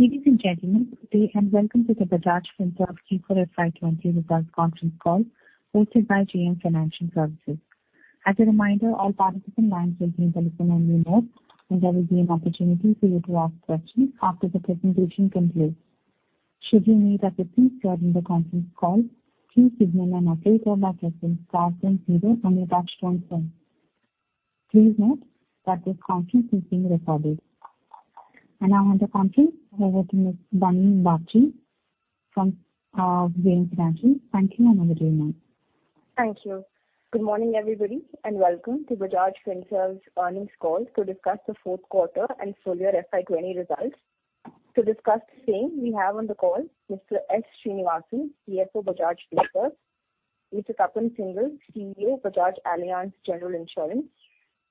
Ladies and gentlemen, good day and welcome to the Bajaj Finserv Q4 FY20 Results Conference Call hosted by JM Financial Services. As a reminder, all participant lines will be in listen-only mode, and there will be an opportunity for you to ask questions after the presentation concludes. Should you need assistance during the conference call, please signal an operator by pressing star then zero on your touch-tone phone. Please note that this conference is being recorded. Now on the conference, over to Ms. Bunny Babjee [Bachi]from JM Financial. Thank you and over to you, ma'am. Thank you. Good morning, everybody, and welcome to Bajaj Finserv's earnings call to discuss the fourth quarter and full year FY 2020 results. To discuss the same, we have on the call Mr. S. Sreenivasan, CFO, Bajaj Finserv; Mr. Tapan Singhel, CEO, Bajaj Allianz General Insurance;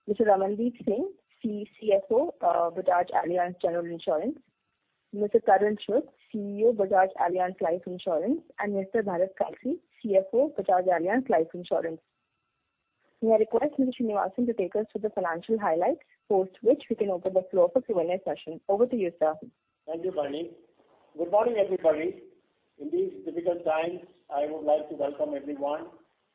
Mr. Ramandeep Singh, CFO, Bajaj Allianz General Insurance; Mr. Tarun Chugh, CEO, Bajaj Allianz Life Insurance; and Mr. Bharat Kalsi, CFO, Bajaj Allianz Life Insurance. May I request Mr. S. Sreenivasan to take us through the financial highlights, post which we can open the floor for Q&A session. Over to you, sir. Thank you, Bunny Babjee. Good morning, everybody. In these difficult times, I would like to welcome everyone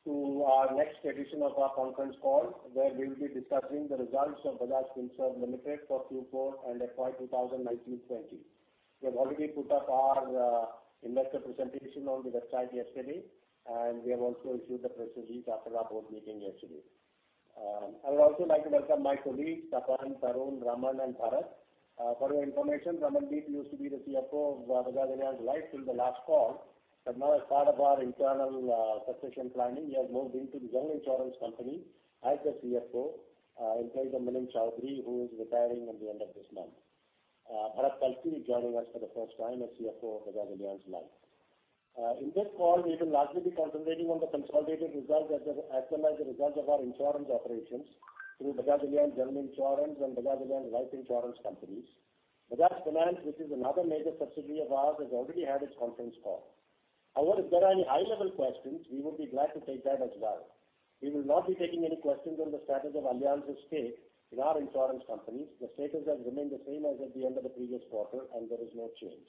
to our next edition of our conference call, where we'll be discussing the results of Bajaj Finserv Limited for Q4 and FY 2019-20. We have already put up our investor presentation on the website yesterday, and we have also issued the press release after our board meeting yesterday. I would also like to welcome my colleagues, Tapan, Tarun, Raman, and Bharat. For your information, Ramandeep used to be the CFO of Bajaj Allianz Life till the last call, but now as part of our internal succession planning, he has moved into the general insurance company as the CFO, in place of Milind Chaudhary, who is retiring at the end of this month. Bharat Kalsi joining us for the first time as CFO of Bajaj Allianz Life. In this call, we will largely be concentrating on the consolidated results as well as the results of our insurance operations through Bajaj Allianz General Insurance and Bajaj Allianz Life Insurance companies. Bajaj Finance, which is another major subsidiary of ours, has already had its conference call. However, if there are any high-level questions, we would be glad to take that as well. We will not be taking any questions on the status of Allianz's stake in our insurance companies. The status has remained the same as at the end of the previous quarter, and there is no change.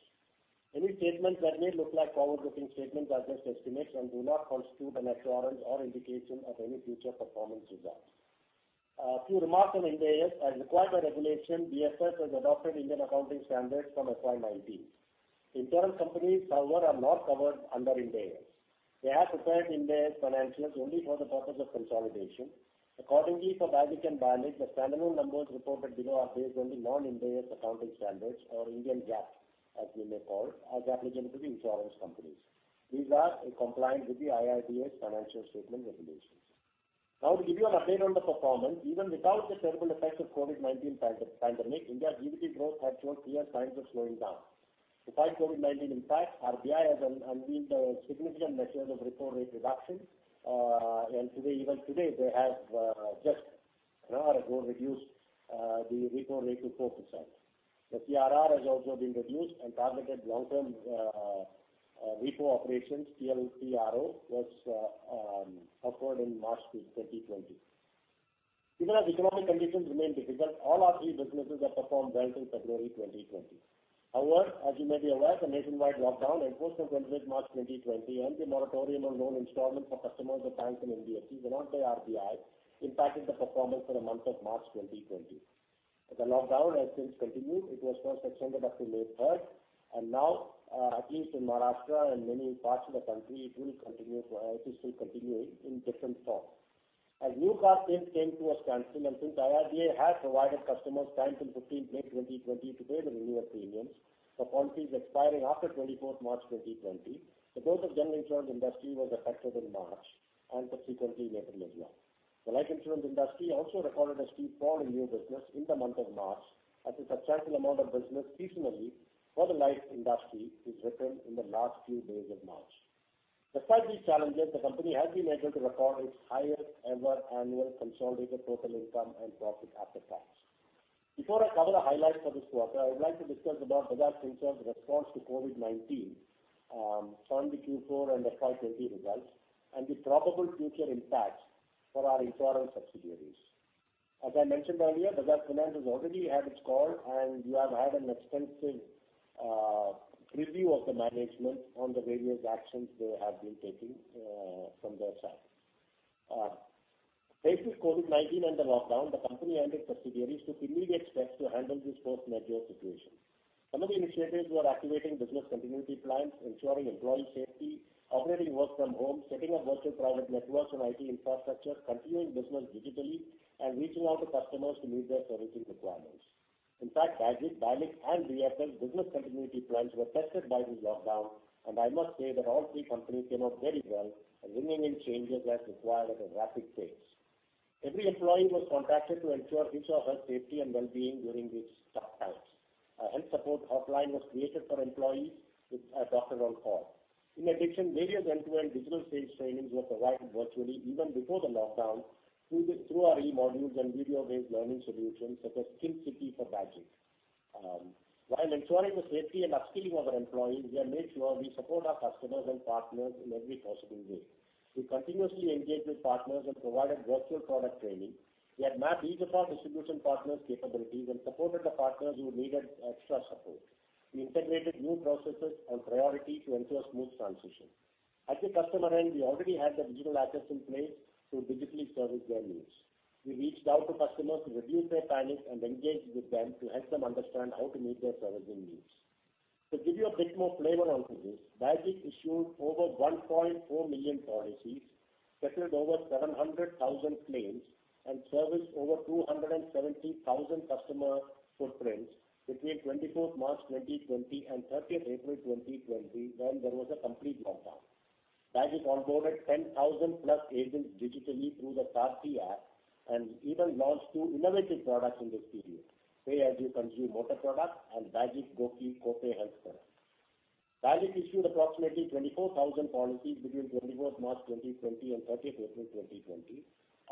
Any statements that may look like forward-looking statements are just estimates and do not constitute an assurance or indication of any future performance results. A few remarks on Ind AS. As required by regulation, BFL has adopted Indian Accounting Standards from FY2019. Insurance companies, however, are not covered under Ind AS. They have prepared Ind AS financials only for the purpose of consolidation. For Bajaj and BALIC, the standalone numbers reported below are based on the non-Ind AS accounting standards or Indian GAAP, as we may call it, as applicable to the insurance companies. These are in compliance with the IRDA's financial statement regulations. To give you an update on the performance. Even without the terrible effects of COVID-19 pandemic, India GDP growth had showed clear signs of slowing down. To fight COVID-19 impact, RBI has unveiled significant measures of repo rate reduction. Even today they have just an hour ago reduced the repo rate to 4%. The CRR has also been reduced. Targeted long-term repo operations, TLTRO, was offered in March 2020. Even as economic conditions remain difficult, all our three businesses have performed well since February 2020. However, as you may be aware, the nationwide lockdown imposed from 25th March 2020 and the moratorium on loan installments for customers of banks and NBFCs announced by RBI impacted the performance for the month of March 2020. The lockdown has since continued. It was first extended up to May 3rd and now, at least in Maharashtra and many parts of the country, It is still continuing in different forms. As new car sales came to a standstill and since IRDA had provided customers time till 15th May 2020 to pay the renewal premiums for policies expiring after 24th March 2020, the growth of general insurance industry was affected in March and subsequently April as well. The life insurance industry also recorded a steep fall in new business in the month of March as a substantial amount of business seasonally for the life industry is written in the last few days of March. Despite these challenges, the company has been able to record its highest-ever annual consolidated total income and profit after tax. Before I cover the highlights for this quarter, I would like to discuss about Bajaj Finserv's response to COVID-19 following the Q4 and FY2020 results and the probable future impacts for our insurance subsidiaries. As I mentioned earlier, Bajaj Finance has already had its call and you have had an extensive preview of the management on the various actions they have been taking from their side. Facing COVID-19 and the lockdown, the company and its subsidiaries took immediate steps to handle this force majeure situation. Some of the initiatives were activating business continuity plans, ensuring employee safety, operating work from home, setting up virtual private networks and IT infrastructure, continuing business digitally, and reaching out to customers to meet their servicing requirements. In fact, Bajaj, BALIC, and BFL business continuity plans were tested by the lockdown, and I must say that all three companies came out very well and bringing in changes as required at a rapid pace. Every employee was contacted to ensure his or her safety and well-being during these tough times. A health support hotline was created for employees with a doctor on call. In addition, various end-to-end digital sales trainings were provided virtually even before the lockdown through our e-modules and video-based learning solutions such as Skill City for Bajaj. While ensuring the safety and upskilling of our employees, we have made sure we support our customers and partners in every possible way. We continuously engaged with partners and provided virtual product training. We have mapped each of our distribution partners' capabilities and supported the partners who needed extra support. We integrated new processes and priority to ensure a smooth transition. At the customer end, we already had the digital access in place to digitally service their needs. We reached out to customers to reduce their panic and engaged with them to help them understand how to meet their servicing needs. To give you a bit more flavor onto this, Bajaj issued over 1.4 million policies, settled over 700,000 claims and serviced over 270,000 customer footprints between 24th March 2020 and 30th April 2020 when there was a complete lockdown. Bajaj onboarded 10,000-plus agents digitally through the Sarathi app and even launched two innovative products in this period: pay-as-you-consume motor products and Bajaj GoFi Kopay health product. Bajaj issued approximately 24,000 policies between 24th March 2020 and 30th April 2020.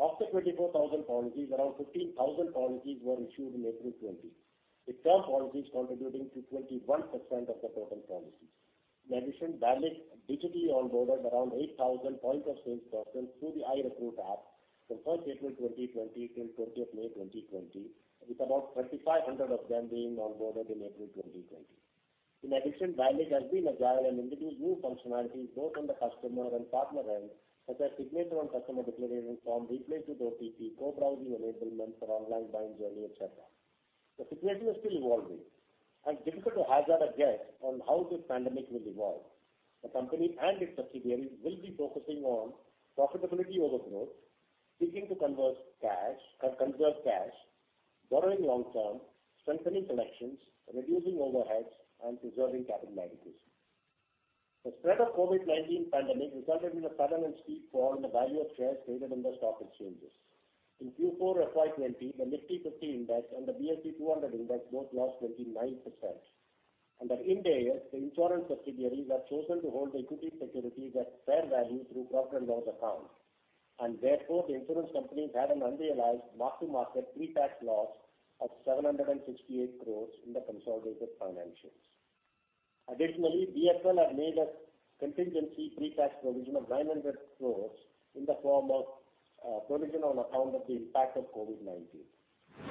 Of the 24,000 policies, around 15,000 policies were issued in April 2020, with term policies contributing to 21% of the total policies. In addition, Bajaj digitally onboarded around 8,000 point-of-sales persons through the iRecruit app from 1st April 2020 till 20th May 2020, with about 2,500 of them being onboarded in April 2020. In addition, Bajaj has been agile and introduced new functionalities both on the customer and partner end, such as signature on customer declaration form, replace with OTP, co-browsing enablement for online buying journey, et cetera. The situation is still evolving and difficult to hazard a guess on how this pandemic will evolve. The company and its subsidiaries will be focusing on profitability over growth, seeking to conserve cash, borrowing long-term, strengthening collections, reducing overheads, and preserving capital adequacy. The spread of COVID-19 resulted in a sudden and steep fall in the value of shares traded in the stock exchanges. In Q4 FY2020, the Nifty 50 Index and the BSE 200 Index both lost 29%. Under Ind AS, the insurance subsidiaries are chosen to hold the equity security at fair value through profit and loss account, and therefore, the insurance companies had an unrealized mark-to-market pre-tax loss of 768 crores in the consolidated financials. Additionally, BFL had made a contingency pre-tax provision of 900 crores in the form of a provision on account of the impact of COVID-19.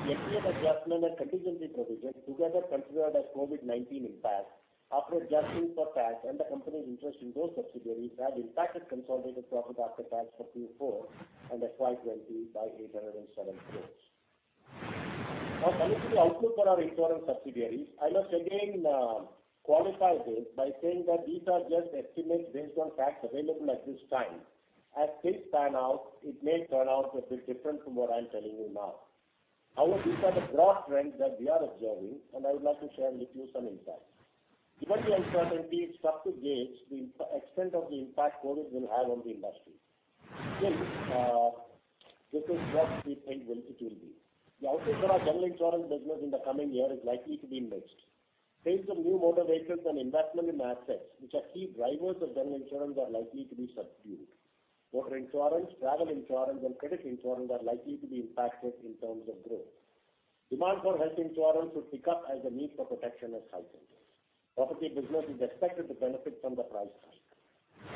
The estimate adjustment and contingency provision together considered as COVID-19 impact after adjusting for tax and the company's interest in those subsidiaries have impacted consolidated profit after tax for Q4 and FY2020 by 807 crores. Now coming to the outlook for our insurance subsidiaries, I must again qualify this by saying that these are just estimates based on facts available at this time. As things pan out, it may turn out a bit different from what I'm telling you now. However, these are the broad trends that we are observing, and I would like to share with you some insights. Given the uncertainty, it's tough to gauge the extent of the impact COVID-19 will have on the industry. Still, this is what we think the future will be. The outlook for our general insurance business in the coming year is likely to be mixed. Sales of new motor vehicles and investment in assets, which are key drivers of general insurance, are likely to be subdued. Motor insurance, travel insurance, and credit insurance are likely to be impacted in terms of growth. Demand for health insurance should pick up as the need for protection is heightened. Property business is expected to benefit from the price hike.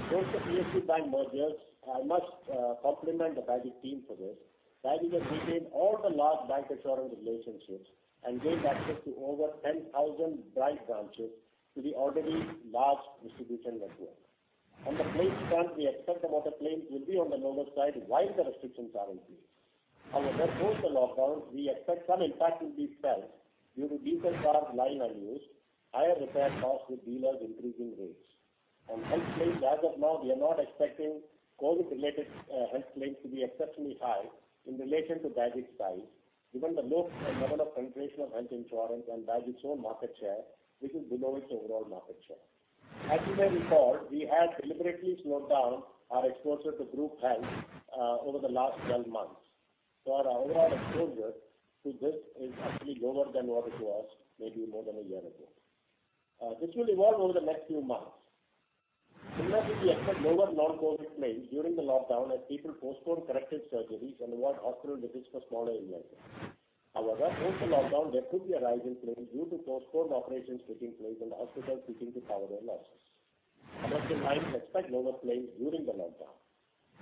Post the PSU bank mergers, I must compliment the Bajaj team for this. Bajaj has retained all the large bank insurance relationships and gained access to over 10,000 bank branches to the already large distribution network. On the claims front, we expect the motor claims will be on the lower side while the restrictions are in place. Post the lockdown, we expect some impact will be felt due to diesel cars lying unused, higher repair costs with dealers increasing rates. On health claims, as of now, we are not expecting COVID-related health claims to be exceptionally high in relation to Bajaj size, given the low level of penetration of health insurance and Bajaj's own market share, which is below its overall market share. As you may recall, we had deliberately slowed down our exposure to group health over the last 12 months. Our overall exposure to this is actually lower than what it was maybe more than a year ago. This will evolve over the next few months. Similarly, we expect lower non-COVID claims during the lockdown as people postpone corrective surgeries and avoid hospital visits for smaller ailments. Post the lockdown, there could be a rise in claims due to postponed operations taking place and hospitals seeking to cover their losses. Otherwise, we expect lower claims during the lockdown.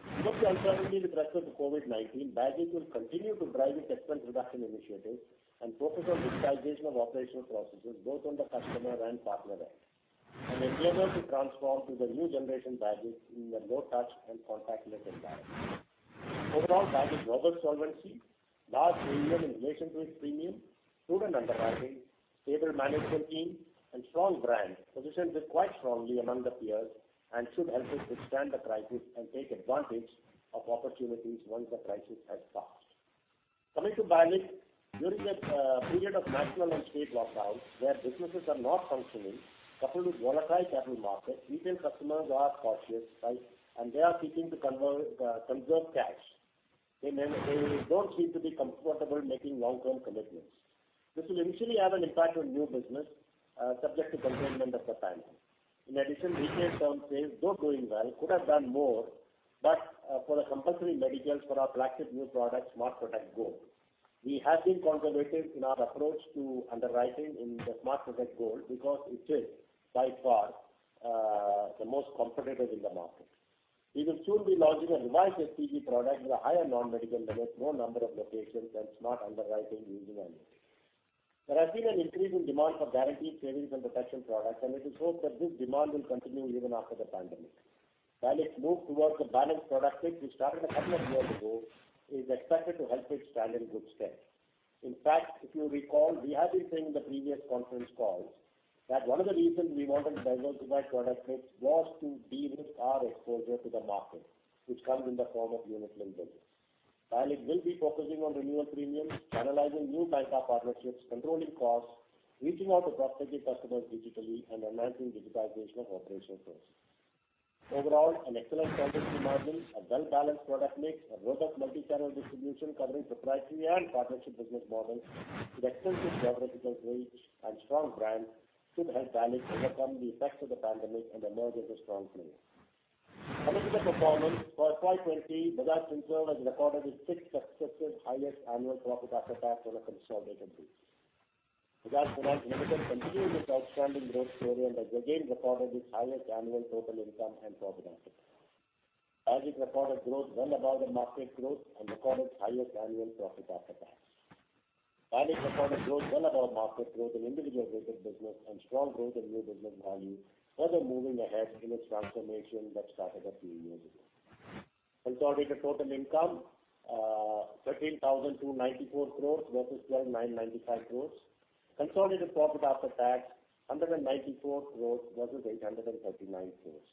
Despite the uncertainty with respect to COVID-19, Bajaj will continue to drive its expense reduction initiatives and focus on digitization of operational processes both on the customer and partner ends, and endeavor to transform to the new generation Bajaj in a low-touch and contactless environment. Overall, Bajaj robust solvency, large premium in relation to its premium, proven underwriting, stable management team, and strong brand position it quite strongly among the peers and should help it withstand the crisis and take advantage of opportunities once the crisis has passed. Coming to Bajaj, during this period of national and state lockdowns, where businesses are not functioning, coupled with volatile capital markets, retail customers are cautious, and they are seeking to conserve cash. They don't seem to be comfortable making long-term commitments. This will initially have an impact on new business subject to containment of the pandemic. In addition, retail term sales, though growing well, could have done more but for the compulsory medicals for our flagship new product, Smart Protect Goal. We have been conservative in our approach to underwriting in the Smart Protect Goal because it is by far the most competitive in the market. We will soon be launching a revised SPG product with a higher non-medical limit, more number of locations, and smart underwriting using AI. There has been an increase in demand for guaranteed savings and protection products, and it is hoped that this demand will continue even after the pandemic. Bajaj's move towards a balanced product mix which started a couple of years ago is expected to help Bajaj stand in good stead. In fact, if you recall, we have been saying in the previous conference calls that one of the reasons we wanted to diversify product mix was to de-risk our exposure to the market, which comes in the form of unit-linked business. Bajaj will be focusing on renewal premiums, analyzing new types of partnerships, controlling costs, reaching out to prospective customers digitally, and enhancing digitization of operational processes. Overall, an excellent contingency margin, a well-balanced product mix, a robust multi-channel distribution covering proprietary and partnership business models with extensive geographical reach and strong brands should help Bajaj overcome the effects of the pandemic and emerge as a strong player. Coming to the performance for FY2020, Bajaj Finserv has recorded its sixth successive highest annual profit after tax on a consolidated base. Bajaj Finance Limited continued its outstanding growth story and has again recorded its highest annual total income and profit after tax. Bajaj recorded growth well above the market growth and recorded its highest annual profit after tax. Bajaj recorded growth well above market growth in individual business and strong growth in new business value, further moving ahead in its transformation that started a few years ago. Consolidated total income 13,294 crores versus 12,995 crores. Consolidated profit after tax, 194 crores versus 839 crores.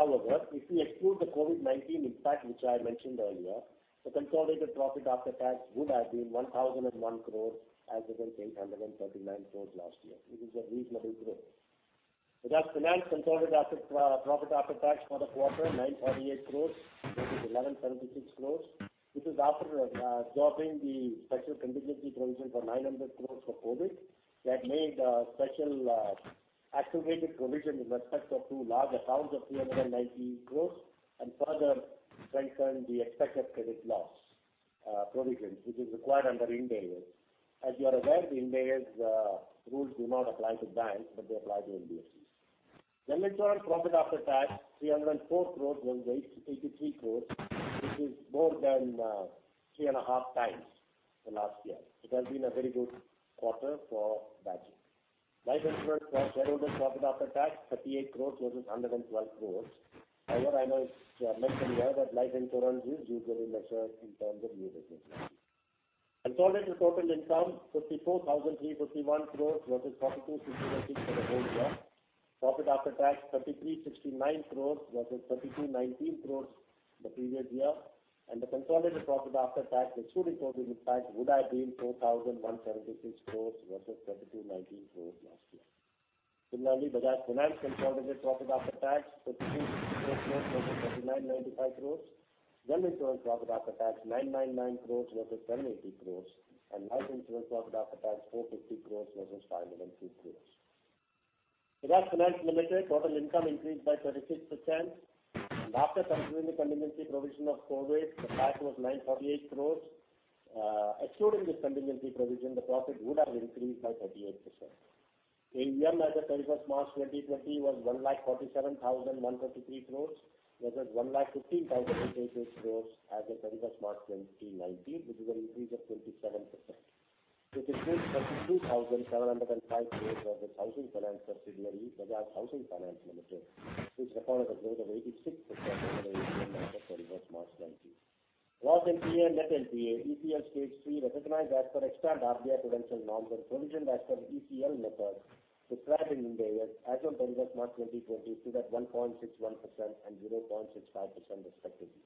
If we exclude the COVID-19 impact, which I mentioned earlier, the consolidated profit after tax would have been 1,001 crores as against 839 crores last year, which is a reasonable growth. Bajaj Finance consolidated profit after tax for the quarter INR 948 crores versus INR 1,176 crores, which is after dropping the special contingency provision for INR 900 crores for COVID that made a special aggregated provision with respect of two large accounts of 390 crores and further strengthened the expected credit loss provisions, which is required under Ind AS. As you are aware, the Ind AS rules do not apply to banks, but they apply to NBFCs. General insurance profit after tax 304 crores was 83 crores, which is more than 3.5x The last year. It has been a very good quarter for Bajaj. Life insurance for shareholder profit after tax 38 crores versus 112 crores. I must mention here that life insurance is usually measured in terms of new business. Consolidated total income 54,351 crores versus 42,626 for the whole year. Profit after tax 3,369 crores versus 3,219 crores the previous year. The consolidated profit after tax excluding COVID impact would have been 4,176 crores versus 3,219 crores last year. Similarly, Bajaj Finance consolidated profit after tax 3,264 crores versus 2,995 crores. General insurance profit after tax 999 crores versus 780 crores, and life insurance profit after tax 450 crores versus 502 crores. Bajaj Finance Limited total income increased by 36%, and after considering the contingency provision of COVID, the profit was 948 crores. Excluding this contingency provision, the profit would have increased by 38%. AUM as of 31st March 2020 was 1,47,123 crores versus 1,15,828 crores as of 31st March 2019, which is an increase of 27%. Which includes 22,705 crores of its housing finance subsidiary, Bajaj Housing Finance Limited, which recorded a growth of 86% over AUM as of 31st March 2019. Gross NPA, net NPA, ECL Stage 3 recognized as per extant RBI prudential norms and provision as per ECL method prescribed in Ind AS as of 31st March 2020 stood at 1.61% and 0.65% respectively.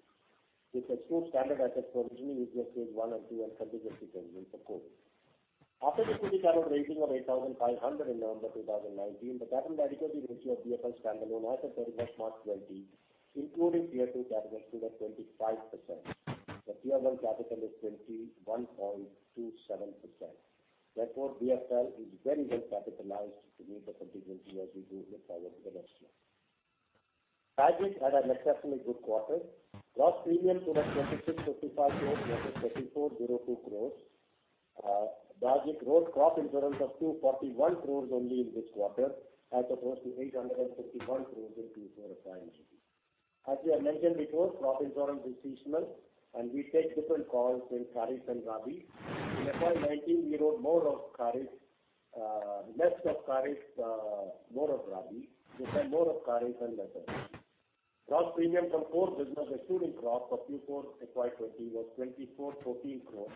This excludes standard asset provisioning which was Stage 1 and 2 and contingency provisions for COVID. After the credit rating of 8,500 in November 2019, the capital adequacy ratio of BFL standalone as of 31st March 2020, including Tier 2 capital stood at 25%. The Tier 1 capital is 21.27%. Therefore, BFL is very well capitalized to meet the contingency as we move forward to the next year. Bajaj had an exceptionally good quarter. Gross premium stood at 2,655 crores versus 2,402 crores. Bajaj wrote crop insurance of 241 crores only in this quarter, as opposed to 851 crores in Q4 of FY2019. As we have mentioned before, crop insurance is seasonal. We take different calls in Kharif and Rabi. In the FY2019, we wrote less of Kharif, more of Rabi. This time more of Kharif and less of Rabi. Gross premium from core business excluding crop for Q4 FY2020 was 2,414 crores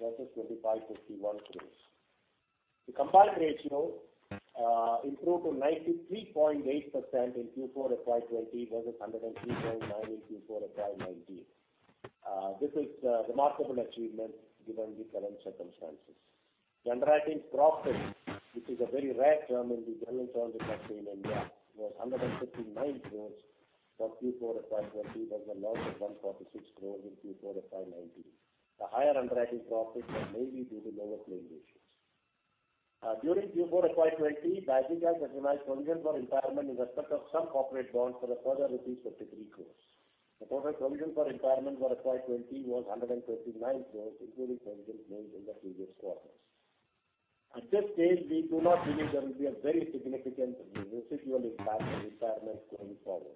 versus 2,551 crores. The combined ratio improved to 93.8% in Q4 FY2020 versus 103.9% in Q4 FY2019. This is a remarkable achievement given the current circumstances. Underwriting profit, which is a very rare term in the general insurance industry in India, was INR 159 crores for Q4 FY2020 versus a loss of INR 146 crores in Q4 FY2019. The higher underwriting profit was mainly due to lower claim ratio. During Q4 FY2020, Bajaj has recognized provision for impairment in respect of some corporate bonds for a further 53 crores. The total provision for impairment for FY2020 was 129 crore, including provisions made in the previous quarters. At this stage, we do not believe there will be a very significant residual impact of impairments going forward.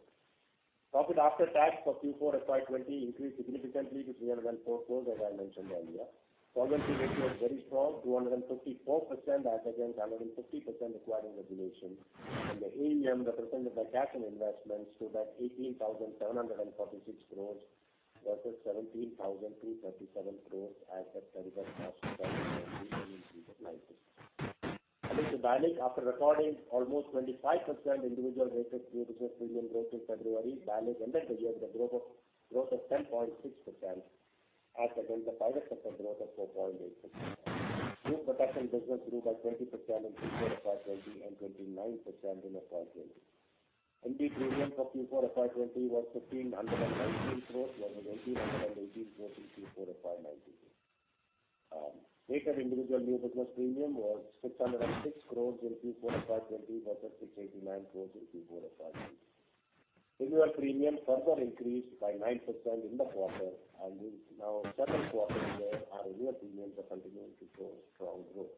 Profit after tax for Q4 FY2020 increased significantly to 304 crore, as I mentioned earlier. Solvency ratio is very strong, 254% as against 150% required in regulation, and the AUM represented by cash and investments stood at INR 18,746 crore versus 17,237 crore as at 31st March 2019. Coming to Bajaj, after recording almost 25% individual weighted new business premium growth in February, Bajaj ended the year with a growth of 10.6% as against the private sector growth of 4.8%. Group protection business grew by 20% in Q4 FY2020 and 29% in FY2020. NB premium for Q4 FY2020 was 1,519 crore versus 1,818 crore in Q4 FY2019. Taken individual new business premium was 606 crores in Q4 FY2020 versus 689 crores in Q4 FY2019. Renewal premium further increased by 9% in the quarter, and this is now seven quarters where our renewal premiums are continuing to show strong growth.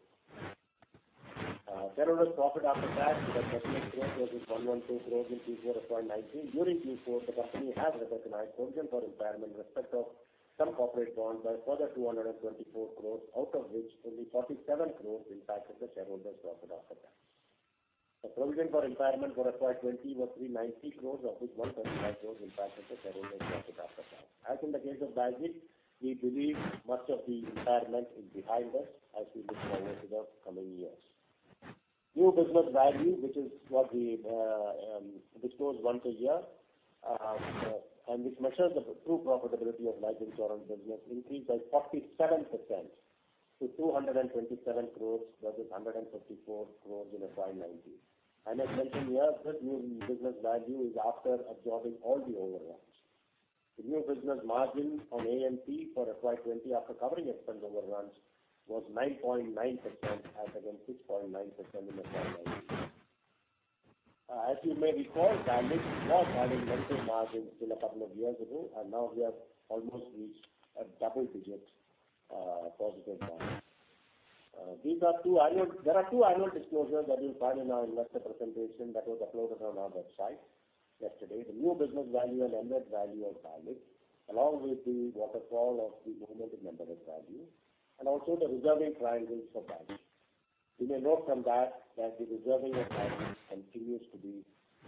Shareholder's profit after tax was at INR 112 crores versus INR 112 crores in Q4 of FY2019. During Q4, the company has recognized provision for impairment in respect of some corporate bonds by a further 224 crores, out of which only 47 crores impacted the Shareholder's profit after tax. The provision for impairment for FY2020 was 390 crores, of which 125 crores impacted the Shareholder's profit after tax. As in the case of Bajaj, we believe much of the impairment is behind us as we look forward to the coming years. New business value, which disclose once a year, and which measures the true profitability of life insurance business increased by 47% to 227 crore versus 154 crore in FY2019. As mentioned here, this new business value is after absorbing all the overruns. The new business margin on APE for FY2020 after covering expense overruns was 9.9% as against 6.9% in the FY=2019. As you may recall, Bajaj was having negative margins till a couple of years ago, and now we have almost reached a double-digit positive margin. There are two annual disclosures that you'll find in our investor presentation that was uploaded on our website yesterday: the new business value and EV value of Bajaj, along with the waterfall of the nominated member value and also the reserving priorities for Bajaj. You may note from that the reserving of Bajaj continues to be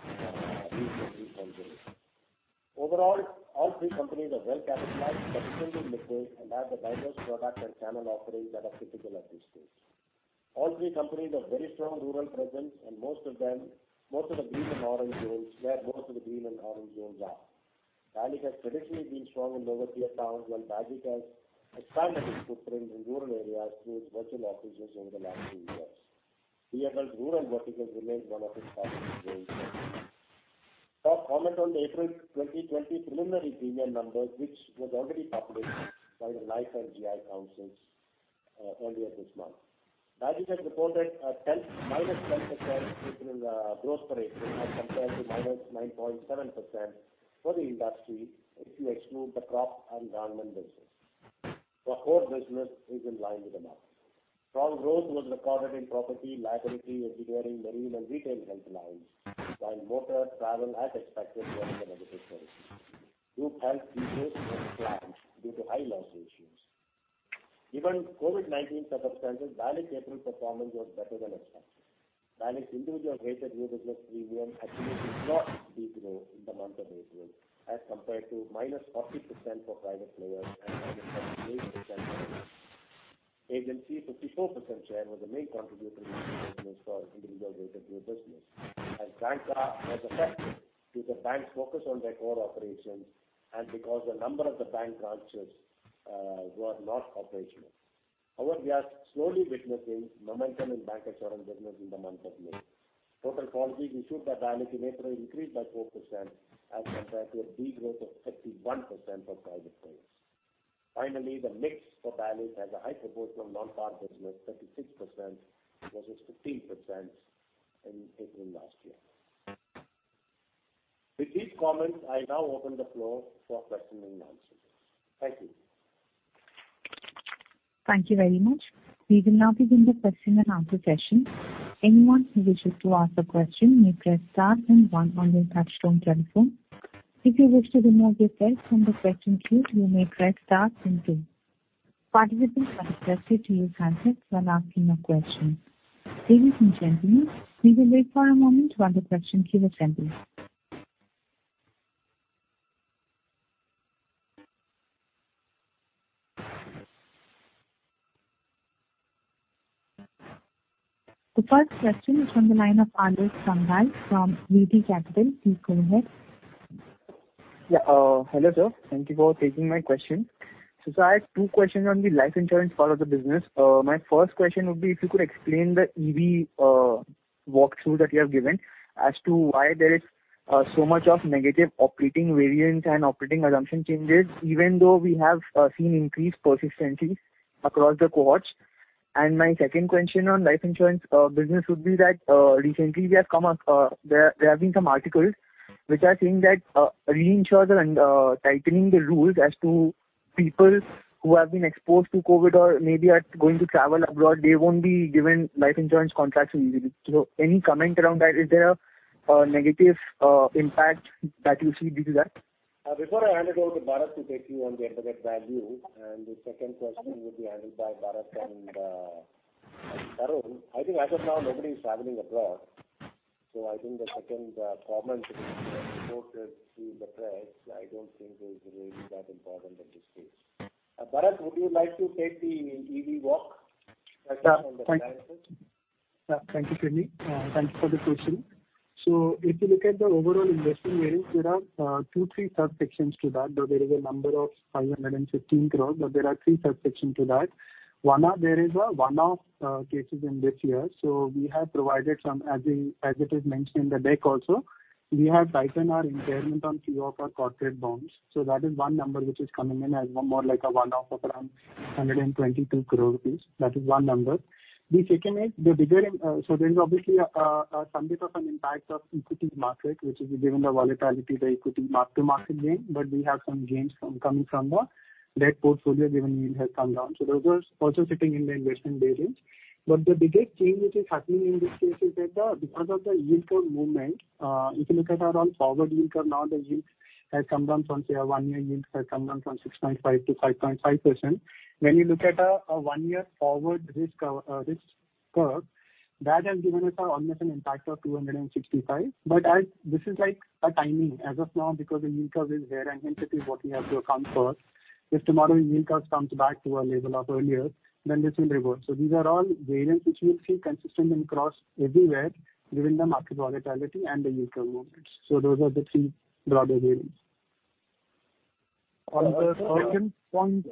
reasonably conservative. Overall, all three companies are well-capitalized, sufficiently liquid, and have the diverse product and channel offerings that are critical at this stage. All three companies have very strong rural presence and most of the green and orange zones, where most of the green and orange zones are. Bajaj has traditionally been strong in lower tier towns, while Bajaj has expanded its footprint in rural areas through its virtual offices over the last few years. BFL's rural vertical remains one of its fastest growing segments. A few comments on the April 2020 preliminary premium numbers, which was already published by the Life and GI councils earlier this month. Bajaj has reported a -10% decline in gross premium as compared to -9.7% for the industry if you exclude the crop and government business. The core business is in line with the market. Strong growth was recorded in property, liability, engineering, marine, and retail health lines, while motor travel as expected were in the negative territory. Group health decreased as planned due to high loss ratios. Given COVID-19 circumstances, Bajaj April performance was better than expected. Bajaj individual weighted new business premium actually saw de-growth in the month of April as compared to -40% for private players and -38% for public. Agency 54% share was the main contributor to new business for individual weighted new business. Banks are less affected due to banks' focus on their core operations and because the number of the bank branches were not operational. We are slowly witnessing momentum in bank insurance business in the month of May. Total policies issued by Bajaj in April increased by 4% as compared to a de-growth of 31% for private players. Finally, the mix for Bajaj has a high proportion of non-par business, 36%, versus 15% in April last year. With these comments, I now open the floor for question and answers. Thank you. Thank you very much. We will now begin the question and answer session. Anyone who wishes to ask a question may press star then one on their touch-tone telephone. If you wish to remove yourself from the question queue, you may press star then two. Participants are restricted to use handsets when asking a question. Ladies and gentlemen, we will wait for a moment while the question queue is ending. The first question is from the line of Anuj Sangal from VP Capital. Please go ahead. Hello sir. Thank you for taking my question. I have two questions on the life insurance part of the business. My first question would be if you could explain the EV walkthrough that you have given as to why there is So much of negative operating variance and operating assumption changes, even though we have seen increased persistency across the cohorts. My second question on life insurance business would be that recently there have been some articles which are saying that reinsurers are tightening the rules as to people who have been exposed to COVID or maybe are going to travel abroad, they won't be given life insurance contracts easily. Any comment around that? Is there a negative impact that you see due to that? Before I hand it over to Bharat to take you on the Embedded Value, and the second question will be handled by Bharat and Tarun. I think as of now, nobody's traveling abroad. I think the second comment which was reported through the press, I don't think is really that important in this case. Bharat, would you like to take the EV walk? Thank you, Sreeni. Thanks for the question. If you look at the overall investment variance, there are two, three subsections to that, though there is a number of 515 crores but there are three subsections to that. There is a one-off cases in this year. We have provided some, as it is mentioned in the deck also, we have tightened our impairment on few of our corporate bonds. That is one number which is coming in as more like a one-off around 122 crore rupees. That is one number. The second is, there is obviously some bit of an impact of equity market, which is given the volatility of the equity market gain. We have some gains coming from the debt portfolio given yield has come down. Those are also sitting in the investment variance. The biggest change which is happening in this case is that because of the yield curve movement, if you look at around forward yield curve now, the yield has come down from, say, a one-year yield has come down from 6.5% to 5.5%. When you look at a one-year forward risk curve, that has given us almost an impact of 265. This is like a timing as of now because the yield curve is there and hence it is what we have to account for. If tomorrow yield curve comes back to a level of earlier, then this will revert. These are all variance which we will see consistent and across everywhere, given the market volatility and the yield curve movements. Those are the three broader variance. On the second point,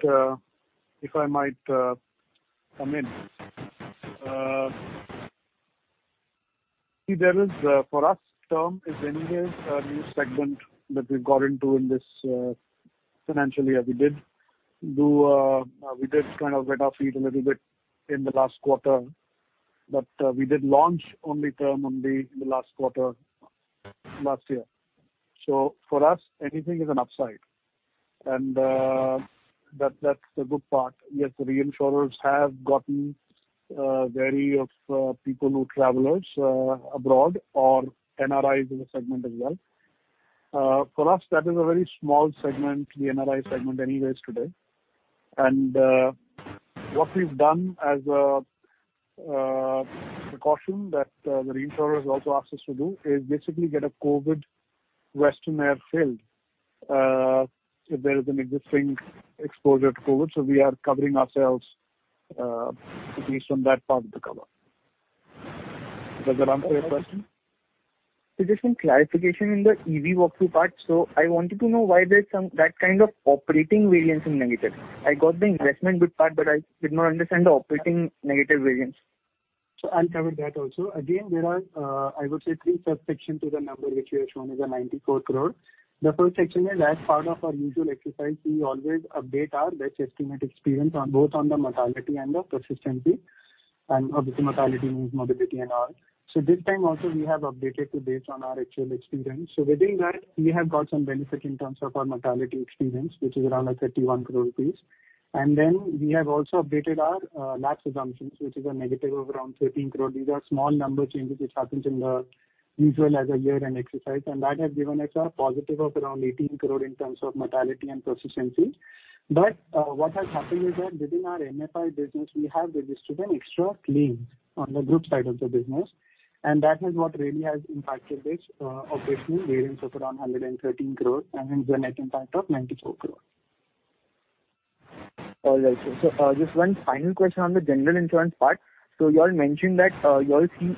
if I might come in. For us, term is anyways a new segment that we've got into in this financial year. We did kind of wet our feet a little bit in the last quarter, but we did launch only term only in the last quarter last year. For us, anything is an upside and that's the good part. The reinsurers have gotten wary of people who travelers abroad or NRIs as a segment as well. For us, that is a very small segment, the NRI segment anyways today. What we've done as a precaution that the reinsurers also asked us to do is basically get a COVID questionnaire filled if there is an existing exposure to COVID. We are covering ourselves at least from that part of the cover. Does that answer your question? Just some clarification in the EV walkthrough part. I wanted to know why there's that kind of operating variance in negative. I got the investment good part, but I did not understand the operating negative variance. I'll cover that also. There are, I would say three subsections to the number which you have shown is a 94 crore. The first section is as part of our usual exercise, we always update our best estimate experience on both on the mortality and the persistency. Obviously mortality means morbidity and all. This time also we have updated to based on our actual experience. Within that, we have got some benefit in terms of our mortality experience, which is around 31 crore rupees. Then we have also updated our lapse assumptions, which is a negative of around 13 crore. These are small number changes which happens in the usual as a year-end exercise, that has given us a positive of around 18 crore in terms of mortality and persistency. What has happened is that within our MFI business, we have registered an extra claim on the group side of the business, and that is what really has impacted this operating variance of around 113 crore and hence the net impact of 94 crore. All right, sir. Just one final question on the general insurance part. You all mentioned that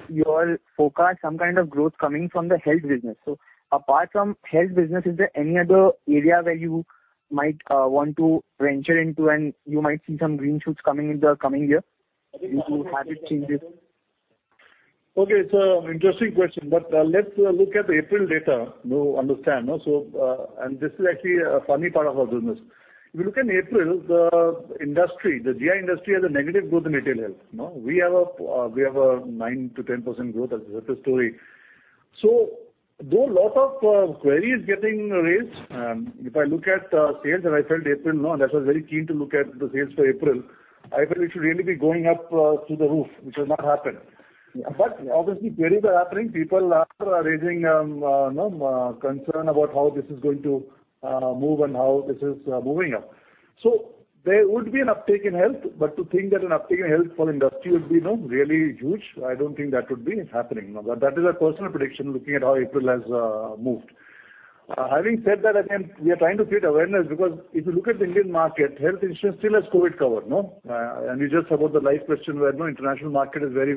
you all forecast some kind of growth coming from the health business. Apart from health business, is there any other area where you might want to venture into and you might see some green shoots coming in the coming year into habit changes? Okay. It's an interesting question, but let's look at April data to understand. This is actually a funny part of our business. If you look in April, the GI industry has a negative growth in retail health. We have a 9%-10% growth as a story. Though lot of queries getting raised, if I look at sales and I felt April, that was very keen to look at the sales for April, I felt it should really be going up through the roof, which has not happened. Obviously queries are happening. People are raising concern about how this is going to move and how this is moving up. There would be an uptick in health. To think that an uptick in health for industry would be really huge, I don't think that would be happening. That is a personal prediction looking at how April has moved. Having said that, again, we are trying to create awareness because if you look at the Indian market, health insurance still has COVID cover. You just about the life question where international market is very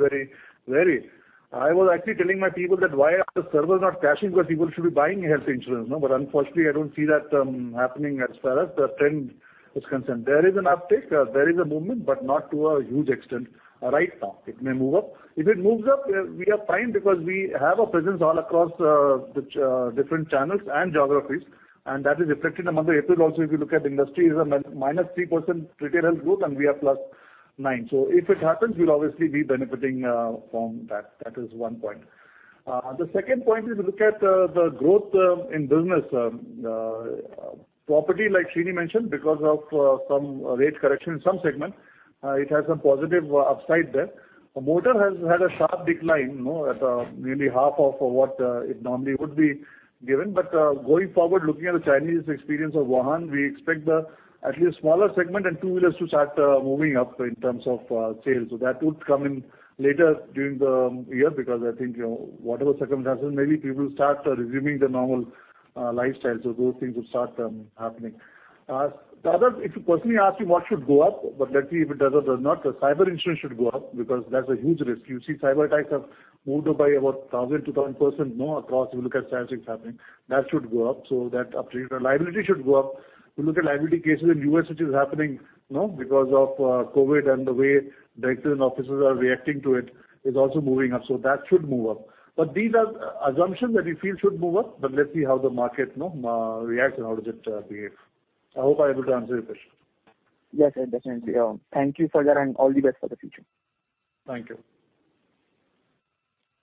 wary. I was actually telling my people that why are the servers not crashing because people should be buying health insurance. Unfortunately, I don't see that happening as far as the trend is concerned. There is an uptick, there is a movement, but not to a huge extent right now. It may move up. If it moves up, we are fine because we have a presence all across the different channels and geographies, and that is reflected in the month of April also. If you look at industry, it is a -3% retail health growth and we are +9%. If it happens, we'll obviously be benefiting from that. That is one point. The second point is if you look at the growth in business, property like Sreeni mentioned, because of some rate correction in some segments, it has some positive upside there. Motor has had a sharp decline at nearly half of what it normally would be given. Going forward, looking at the Chinese experience of Wuhan, we expect at least smaller segment and two-wheelers to start moving up in terms of sales. That would come in later during the year because I think whatever circumstances, maybe people will start resuming their normal lifestyle. Those things would start happening. If you personally ask me what should go up, but let's see if it does or does not, cyber insurance should go up because that's a huge risk. You see cyberattacks have moved up by about 1,000%, 2,000% across, if you look at cyber things happening. That should go up. That liability should go up. If you look at liability cases in U.S. which is happening because of COVID and the way directors and officers are reacting to it, is also moving up. That should move up. These are assumptions that we feel should move up, but let's see how the market reacts and how does it behave. I hope I answered your question. Yes, definitely. Thank you for that and all the best for the future. Thank you.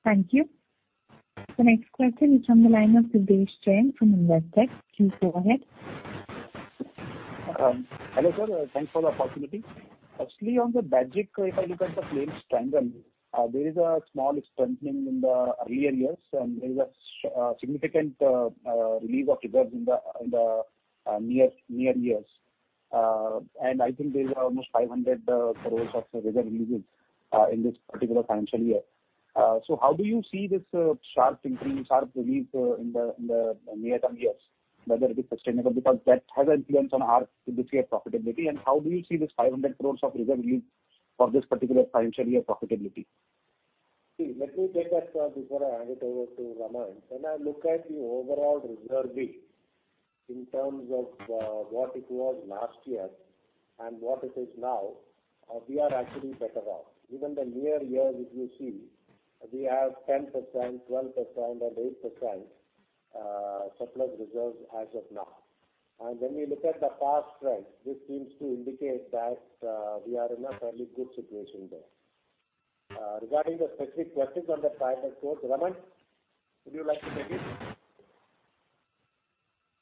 Thank you. The next question is from the line of Nidhesh Jain from Investec. Please go ahead. Hello, sir. Thanks for the opportunity. Actually, on the Bajaj, if I look at the claim strength, there is a small strengthening in the earlier years, and there is a significant release of reserves in the near years. I think there is almost 500 crores of reserve releases in this particular financial year. How do you see this sharp increase, sharp release in the near-term years, whether it is sustainable, because that has an influence on our this year profitability, and how do you see this 500 crores of reserve release for this particular financial year profitability? Let me take that before I hand it over to Raman. When I look at the overall reserving in terms of what it was last year and what it is now, we are actually better off. Even the near year, if you see, we have 10%, 12% and 8% surplus reserves as of now. When we look at the past trend, this seems to indicate that we are in a fairly good situation there. Regarding the specific questions on the INR 500 crores, Raman, would you like to take it?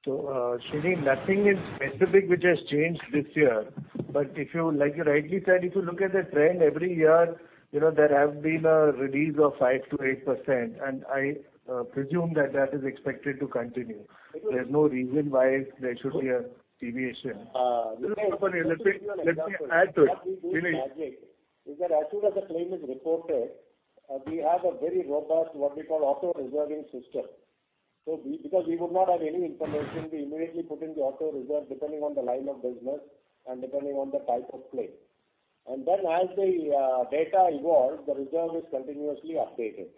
Sreeni, nothing is specific which has changed this year. Like you rightly said, if you look at the trend every year, there have been a release of 5%-8%, and I presume that that is expected to continue. There's no reason why there should be a deviation. Let me give you an example. Let me add to it. What we do in Bajaj, is that as soon as a claim is reported, we have a very robust what we call auto reserving system. We would not have any information, we immediately put in the auto reserve depending on the line of business and depending on the type of claim. As the data evolves, the reserve is continuously updated.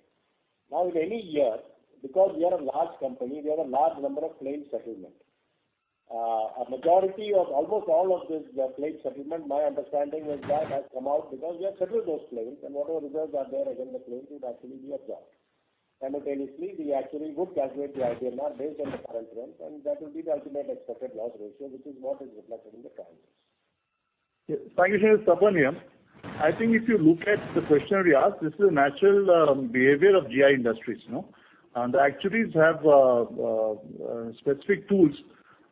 In any year, because we are a large company, we have a large number of claim settlement. A majority of almost all of this claim settlement, my understanding is that has come out because we have settled those claims and whatever reserves are there against the claims will actually be absorbed. Simultaneously, the actuary would calculate the IBNR based on the current trends, that will be the ultimate accepted loss ratio, which is what is reflected in the trial balance. Thank you, Nidhesh. This is Tapan here. I think if you look at the question you asked, this is a natural behavior of GI industries. The actuaries have specific tools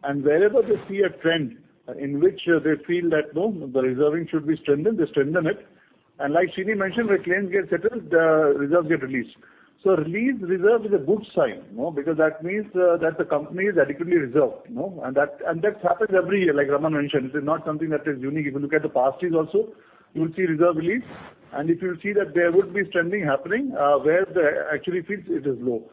and wherever they see a trend in which they feel that the reserving should be strengthened, they strengthen it. Like Sreeni mentioned, where claims get settled, reserves get released. Released reserve is a good sign because that means that the company is adequately reserved. That happens every year, like Raman mentioned. This is not something that is unique. If you look at the past years also, you will see reserve release. If you see that there would be strengthening happening where the actuary feels it is low.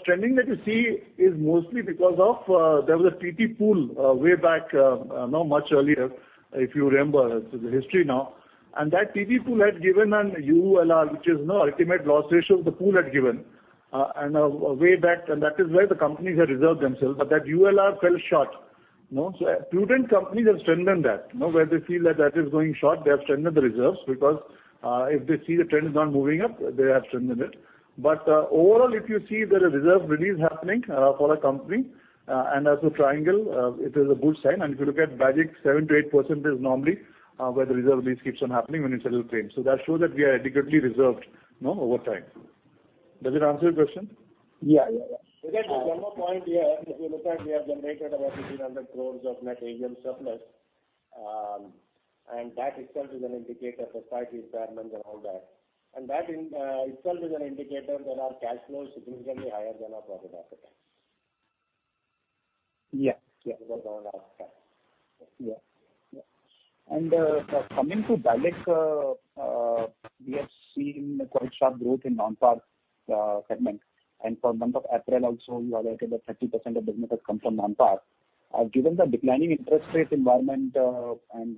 Strengthening that you see is mostly because of there was a TP pool way back much earlier, if you remember. This is history now. That TP pool had given an ULR, which is ultimate loss ratio the pool had given way back, and that is where the companies had reserved themselves, but that ULR fell short. Prudent companies have strengthened that. Where they feel that is going short, they have strengthened the reserves because if they see the trend is not moving up, they have strengthened it. Overall, if you see there a reserve release happening for a company and as a whole, it is a good sign. If you look at Bajaj, 7%-8% is normally where the reserve release keeps on happening when you settle claims. That shows that we are adequately reserved over time. Does it answer your question? Yeah. One more point here. If you look at, we have generated about 1,500 crores of net AGM surplus. That itself is an indicator for statutory requirements and all that. That itself is an indicator that our cash flow is significantly higher than our profit after tax. Yes. Over the last time. Coming to Bajaj, we have seen quite sharp growth in non-par segment. For month of April also, you highlighted that 30% of business has come from non-par. Given the declining interest rate environment and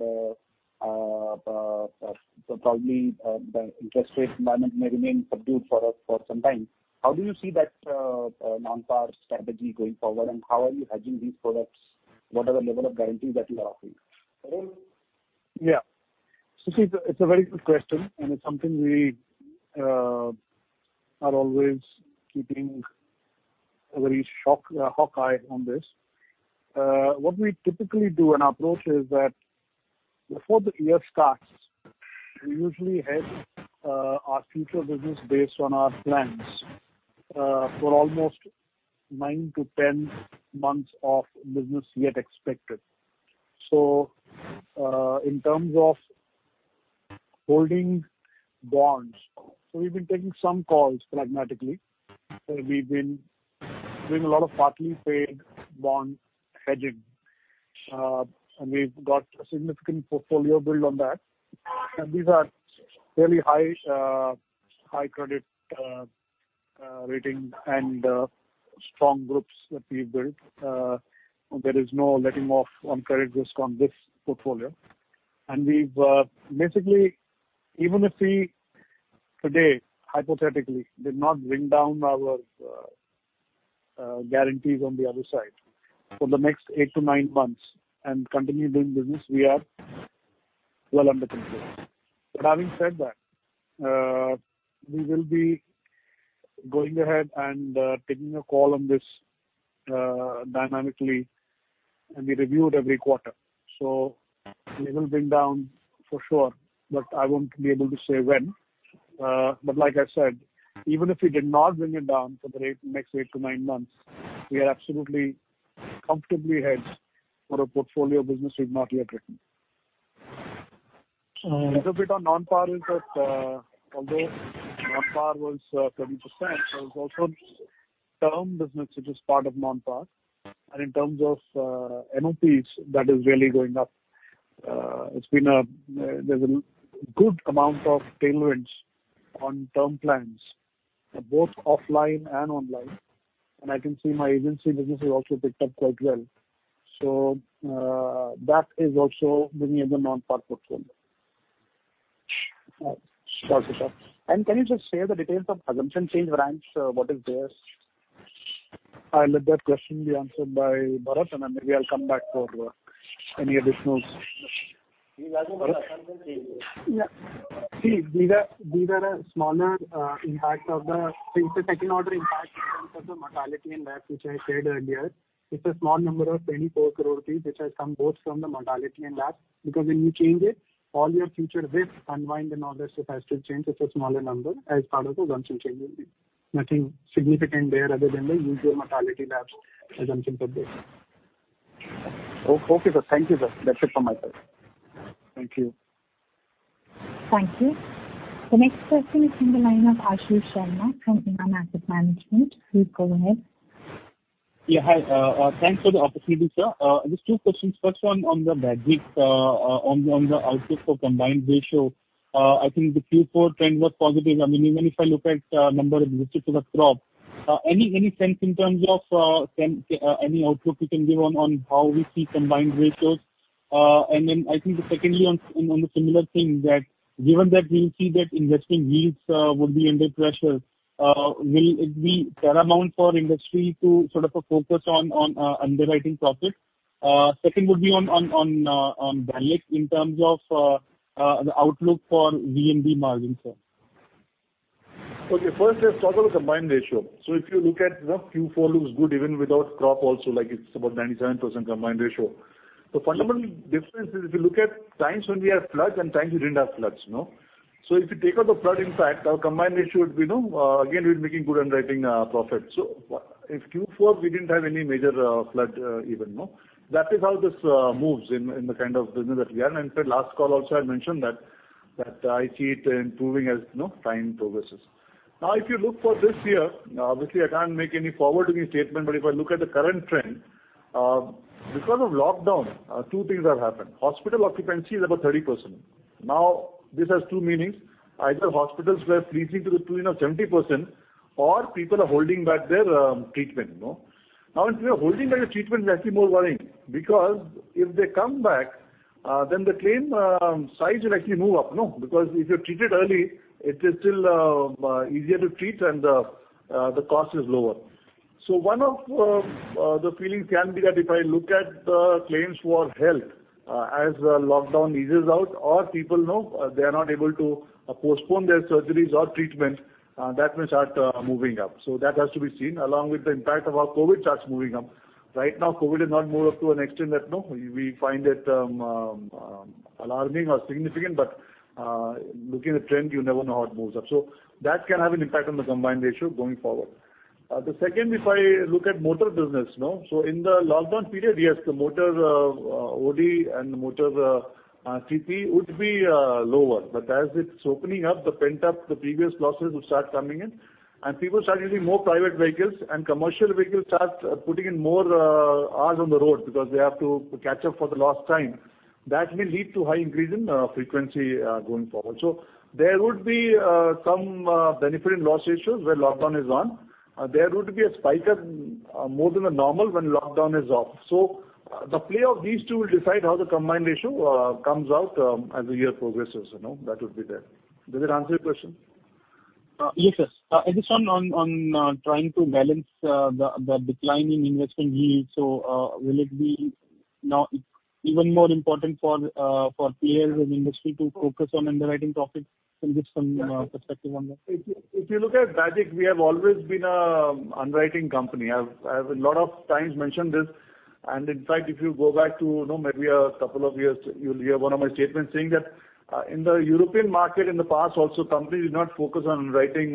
probably the interest rate environment may remain subdued for some time, how do you see that non-par strategy going forward and how are you hedging these products? What are the level of guarantees that you are offering? Yeah. It's a very good question, and it's something we are always keeping a very hawk eye on this. What we typically do in our approach is that before the year starts, we usually hedge our future business based on our plans for almost 9 to 10 months of business yet expected. In terms of holding bonds, we've been taking some calls pragmatically. We've been doing a lot of partly paid bond hedging. We've got a significant portfolio build on that. These are fairly high credit rating and strong groups that we've built. There is no letting off on credit risk on this portfolio. Basically, even if we today, hypothetically, did not bring down our guarantees on the other side for the next 8 to 9 months and continue doing business, we are well under control. Having said that, we will be going ahead and taking a call on this dynamically, and we review it every quarter. We will bring down for sure, but I won't be able to say when. Like I said, even if we did not bring it down for the next eight to nine months, we are absolutely comfortably hedged for a portfolio of business we've not yet written. Little bit on non-par, although non-par was 30%, there was also term business which is part of non-par. In terms of NOPs, that is really going up. There's a good amount of tailwinds on term plans, both offline and online. I can see my agency business has also picked up quite well. That is also bringing in the non-par portfolio. Right. Got it, sir. Can you just share the details of assumption change ramps? What is theirs? I'll let that question be answered by Bharat, and maybe I'll come back for any additionals. These are the assumption changes. Yeah. These are the smaller impact. It's a second order impact in terms of the mortality and lapse, which I said earlier. It's a small number of 24 crore rupees, which has come both from the mortality and lapse. When you change it, all your future risks unwind and all this, it has to change. It's a smaller number as part of assumption changes. Nothing significant there other than the usual mortality lapse assumption for this. Okay, sir. Thank you, sir. That's it from my side. Thank you. Thank you. The next question is from the line of Ashu Sharma from. Please go ahead. Hi. Thanks for the opportunity, sir. Just two questions. First one on the bad debt on the outlook for combined ratio. I think the Q4 trend was positive. Even if I look at number of visits to the crop. Any sense in terms of any outlook you can give on how we see combined ratios? I think secondly, on the similar thing that given that we see that investing yields would be under pressure, will it be paramount for industry to sort of a focus on underwriting profit? Second would be on balance in terms of the outlook for VNB margin, sir. First let's talk about the combined ratio. If you look at what Q4 looks good even without crop also, like it's about 97% combined ratio. The fundamental difference is if you look at times when we have floods and times we didn't have floods. If you take out the flood impact, our combined ratio would be, again, we're making good underwriting profit. If Q4, we didn't have any major flood even. That is how this moves in the kind of business that we are in. In fact, last call also I mentioned that I see it improving as time progresses. If you look for this year, obviously I can't make any forward-looking statement, but if I look at the current trend, because of lockdown, two things have happened. Hospital occupancy is about 30%. This has two meanings. Either hospitals were to the tune of 70%, or people are holding back their treatment. If they're holding back their treatment, it's actually more worrying because if they come back, then the claim size should actually move up. If you're treated early, it is still easier to treat and the cost is lower. One of the feelings can be that if I look at the claims for health as the lockdown eases out or people they are not able to postpone their surgeries or treatment, that may start moving up. That has to be seen along with the impact of how COVID starts moving up. Right now, COVID has not moved up to an extent that we find it alarming or significant, looking at the trend, you never know how it moves up. That can have an impact on the combined ratio going forward. The second, if I look at motor business. In the lockdown period, yes, the motor OD and motor CP would be lower. As it's opening up, the pent-up, the previous losses would start coming in and people start using more private vehicles and commercial vehicles start putting in more hours on the road because they have to catch up for the lost time. That may lead to high increase in frequency going forward. There would be some benefit in loss ratios when lockdown is on. There would be a spike up more than the normal when lockdown is off. The play of these two will decide how the combined ratio comes out as the year progresses. That would be there. Does it answer your question? Yes, sir. I guess on trying to balance the decline in investment yields, will it be now even more important for peers in the industry to focus on underwriting profits? Can you give some perspective on that? If you look at Bajaj, we have always been an underwriting company. I've a lot of times mentioned this, and in fact, if you go back to maybe a couple of years, you'll hear one of my statements saying that in the European market, in the past also, companies did not focus on underwriting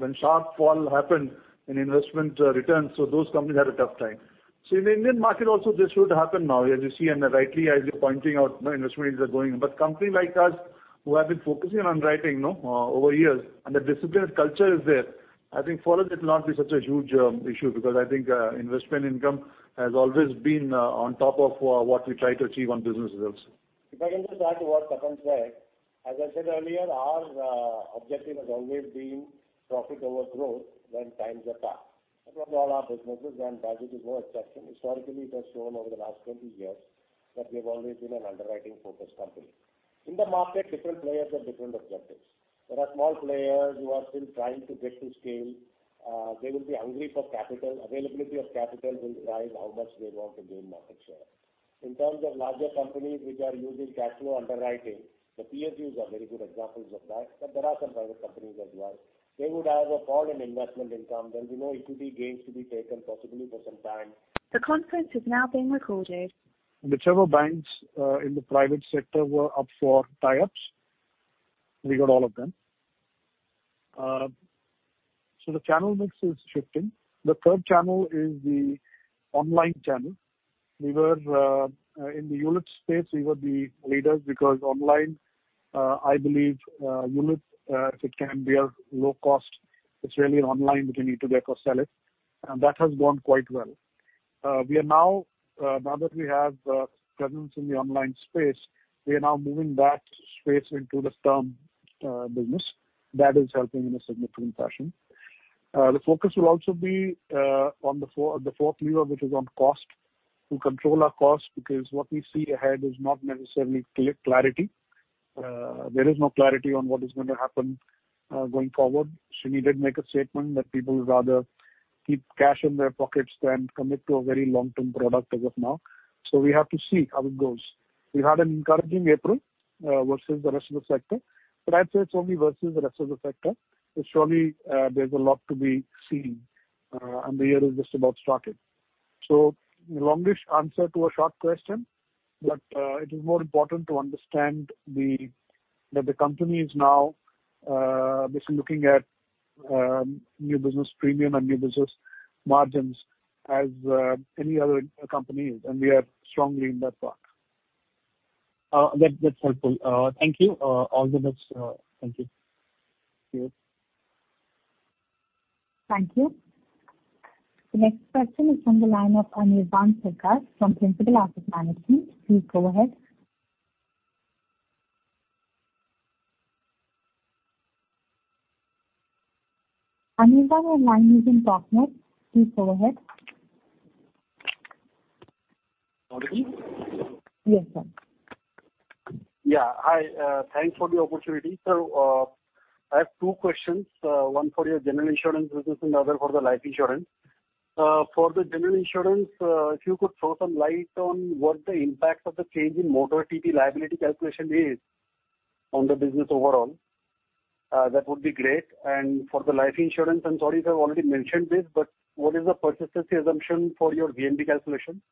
when sharp fall happened in investment returns, so those companies had a tough time. In the Indian market also, this should happen now, as you see, and rightly as you're pointing out, investment yields are going. Company like us who have been focusing on underwriting over years, and the disciplined culture is there, I think for us it will not be such a huge issue because I think investment income has always been on top of what we try to achieve on business results. If I can just add to what Tapan said. As I said earlier, our objective has always been profit over growth when times are tough. Across all our businesses, Bajaj is no exception. Historically, it has shown over the last 20 years that we have always been an underwriting-focused company. In the market, different players have different objectives. There are small players who are still trying to get to scale. They will be hungry for capital. Availability of capital will drive how much they want to gain market share. In terms of larger companies which are using cash flow underwriting, the PSUs are very good examples of that, there are some private companies as well. They would have a fall in investment income. There will be no equity gains to be taken, possibly for some time. The conference is now being recorded. Whichever banks in the private sector were up for tie-ups, we got all of them. The channel mix is shifting. The third channel is the online channel. In the ULIP space, we were the leaders because online, I believe ULIP, if it can be a low cost, it's really an online which you need to get or sell it, and that has gone quite well. That we have presence in the online space, we are now moving that space into the term business. That is helping in a significant fashion. The focus will also be on the fourth lever, which is on cost, to control our cost, because what we see ahead is not necessarily clarity. There is no clarity on what is going to happen going forward. Sreeni did make a statement that people would rather keep cash in their pockets than commit to a very long-term product as of now. We have to see how it goes. We had an encouraging April versus the rest of the sector, but I'd say it's only versus the rest of the sector. Surely, there's a lot to be seen, and the year is just about starting. Longish answer to a short question, but it is more important to understand that the company is now basically looking at new business premium and new business margins as any other company is, and we are strongly in that part. That's helpful. Thank you. All the best. Thank you. Thank you. Thank you. The next question is on the line of Anirban Sarkar from Principal Asset Management. Please go ahead. Anirban, your line is in talk mode. Please go ahead. Sorry. Yes, sir. Yeah. Hi. Thanks for the opportunity. Sir, I have two questions, one for your general insurance business and the other for the life insurance. For the general insurance, if you could throw some light on what the impact of the change in motor TP liability calculation is on the business overall. That would be great. For the life insurance, I'm sorry if you have already mentioned this, but what is the persistency assumption for your VNB calculation?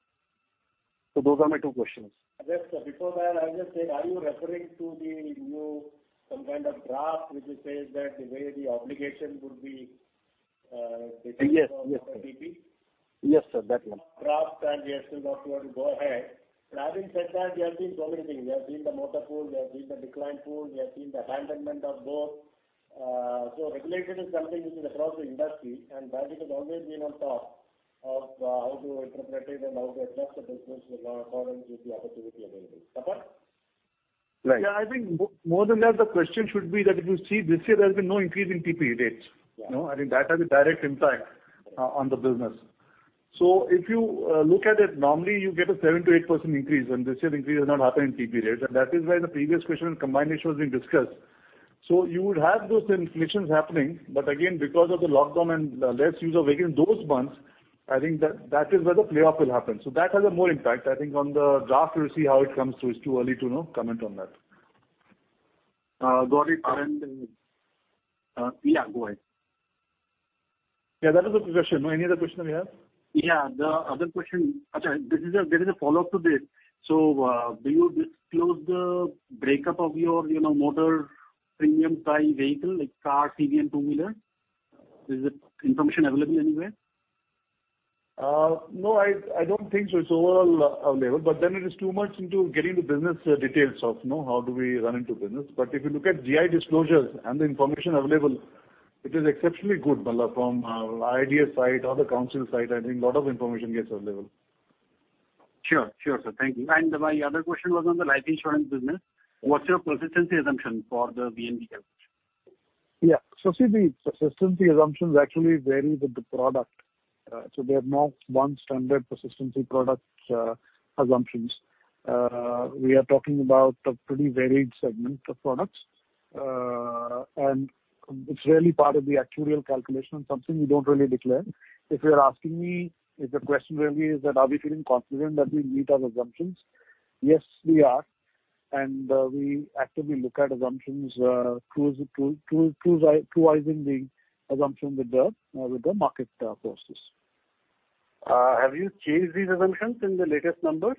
Those are my two questions. Yes, sir. Before that, I'll just say, are you referring to the new some kind of draft which says that the way the obligation would be based on-? Yes. motor TP? Yes, sir. That one. Draft, we are still not sure to go ahead. Having said that, we have seen so many things. We have seen the motor pool, we have seen the declined pool, we have seen the abandonment of both. Regulated is something which is across the industry, and Bajaj has always been on top of how to interpret it and how to adjust the business according to the opportunity available. Tapan? Yeah, I think more than that, the question should be that if you see this year, there's been no increase in TP rates. Yeah. I think that has a direct impact on the business. If you look at it, normally you get a 7%-8% increase, and this year the increase has not happened in TP rates, and that is why in the previous question, combination was being discussed. You would have those inflations happening, but again, because of the lockdown and less use of vehicles, those months, I think that is where the payoff will happen. That has a more impact, I think, on the profit. We'll see how it comes through. It's too early to comment on that. Anirban. Yeah, go ahead. Yeah, that is the question. Any other question that you have? Yeah, the other question. Okay, there is a follow-up to this. Do you disclose the breakup of your motor premium by vehicle, like car, CV and two-wheeler? Is the information available anywhere? No, I don't think so. It's overall available, but then it is too much into getting the business details of how do we run into business. If you look at GI disclosures and the information available, it is exceptionally good from IRDA's side or the Council side. I think a lot of information gets available. Sure, sir. Thank you. My other question was on the life insurance business. What's your persistency assumption for the VNB calculation? Yeah. see, the persistency assumption actually varies with the product There's no one standard persistency product assumptions. We are talking about a pretty varied segment of products, and it's really part of the actuarial calculation and something we don't really declare. If you're asking me, if the question really is that are we feeling confident that we'll meet our assumptions? Yes, we are. We actively look at assumptions, true-izing the assumption with the market forces. Have you changed these assumptions in the latest numbers?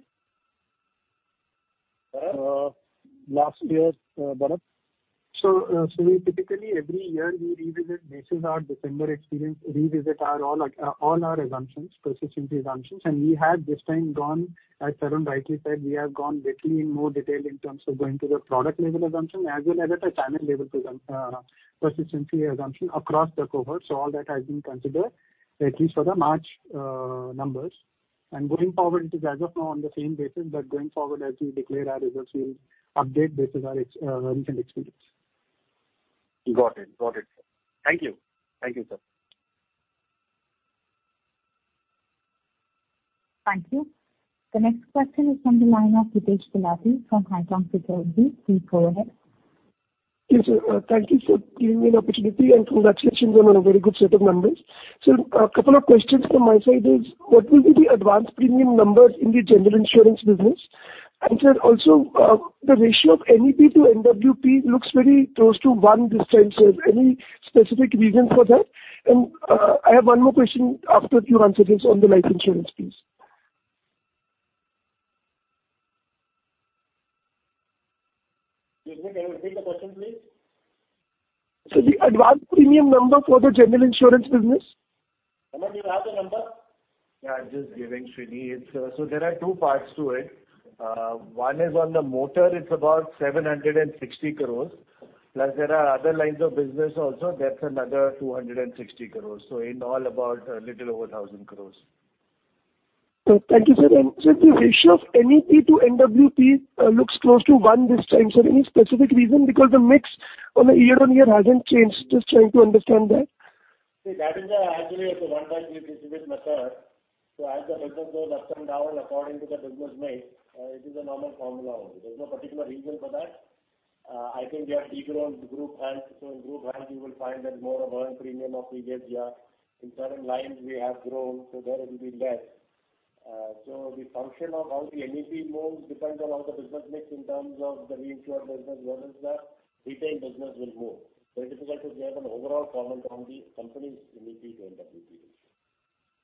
Last year's what? Typically every year we revisit. This is our December experience, revisit all our persistency assumptions. We have this time gone, as Tarun rightly said, we have gone literally in more detail in terms of going to the product level assumption as well as at a channel level persistency assumption across the cohort. All that has been considered, at least for the March numbers. Going forward, it is as of now on the same basis, but going forward as we declare our results, we'll update based on our recent experience. Got it. Thank you. Thank you, sir. Thank you. The next question is from the line of Hitesh Gulati from Kotak Securities. Please go ahead. Yes, sir. Thank you for giving me an opportunity, and congratulations on a very good set of numbers. A couple of questions from my side is what will be the advance premium numbers in the general insurance business? Sir, also, the ratio of NEP to NWP looks very close to one this time, sir. Any specific reason for that? I have one more question after you answer this on the life insurance piece. Excuse me, can you repeat the question, please? Sir, the advance premium number for the general insurance business. Raman, do you have the number? Yeah, just giving, Sreeni. There are two parts to it. One is on the motor, it's about 760 crores. There are other lines of business also, that's another 260 crores. In all, about a little over 1,000 crores. Sir, thank you, sir. Sir, the ratio of NEP to NWP looks close to one this time, sir. Any specific reason? The mix on the year-on-year hasn't changed. Just trying to understand that. That is actually also 1 by 355. As the business goes up and down according to the business mix, it is a normal formula only. There is no particular reason for that. I think we have de-grown group health. In group health, you will find that more of earned premium of previous year. In certain lines we have grown, there it will be less. The function of how the NEP moves depends on how the business mix in terms of the reinsured business versus the retained business will move. Very difficult to give an overall comment on the company's NEP to NWP ratio.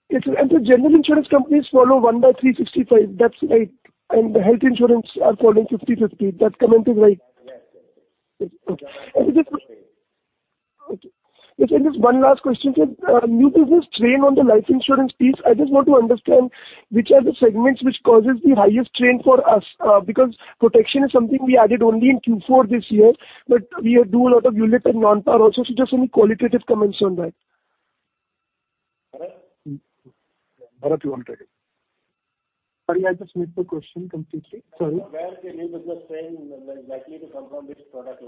Yes, sir. Sir, general insurance companies follow 1 by 365, that's right. The health insurance are following 50/50. That comment is right. Yes. Okay. Just one last question, sir. New business strain on the life insurance piece. I just want to understand which are the segments which causes the highest strain for us, because protection is something we added only in Q4 this year, but we do a lot of ULIP and non-par also. Just some qualitative comments on that. Bharat. Bharat, you wanted. Sorry, I just missed the question completely. Sorry. Where the new business strain is likely to come from which product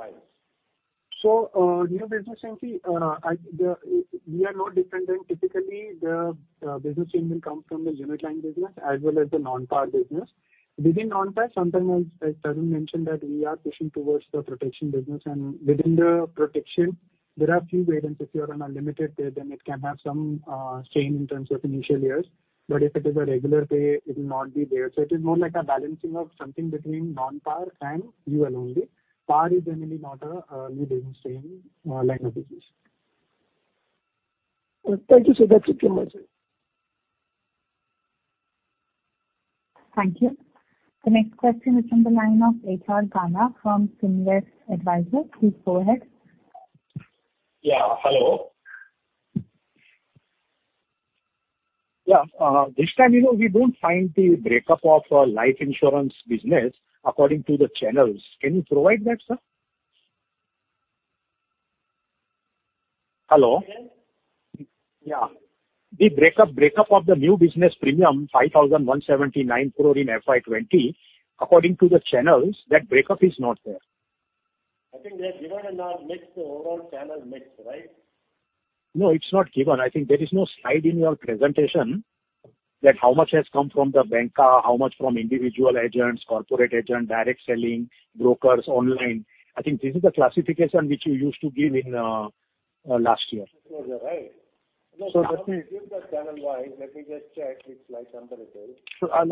lines? New business, we are no different than typically the business strain will come from the ULIP line business as well as the non-par business. Within non-par, sometimes as Tarun mentioned that we are pushing towards the protection business and within the protection there are few variants. If you are on a limited pay, then it can have some strain in terms of initial years, but if it is a regular pay, it will not be there. It is more like a balancing of something between non-par and UL only. Par is generally not a new business strain line of business. Thank you, sir. That's it from my side. Thank you. The next question is from the line of H.R. [Kana] from Finlex Advisors. Please go ahead. Yeah. Hello. Yeah. This time we don't find the breakup of life insurance business according to the channels. Can you provide that, sir? Hello. Hello. Yeah. The breakup of the new business premium, 5,179 crore in FY2020. According to the channels, that breakup is not there. I think we have given in our mix, overall channel mix, right? No, it's not given. I think there is no slide in your presentation that how much has come from the bancassurance, how much from individual agents, corporate agent, direct selling, brokers, online. I think this is the classification which you used to give in last year. You're right. I think we give that channel wise. Let me just check which slide number it is. I'll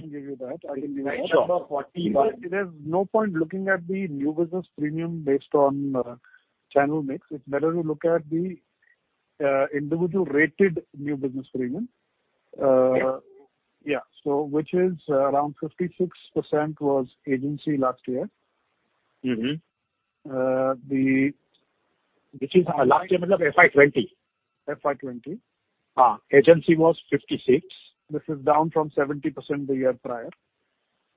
give you that. I can give you that. It is no point looking at the new business premium based on channel mix. It's better to look at the individual rated new business premium. Okay. Yeah. Which is around 56% was agency last year. The- Which is last year means FY2020? FY2020. Agency was 56. This is down from 70% the year prior.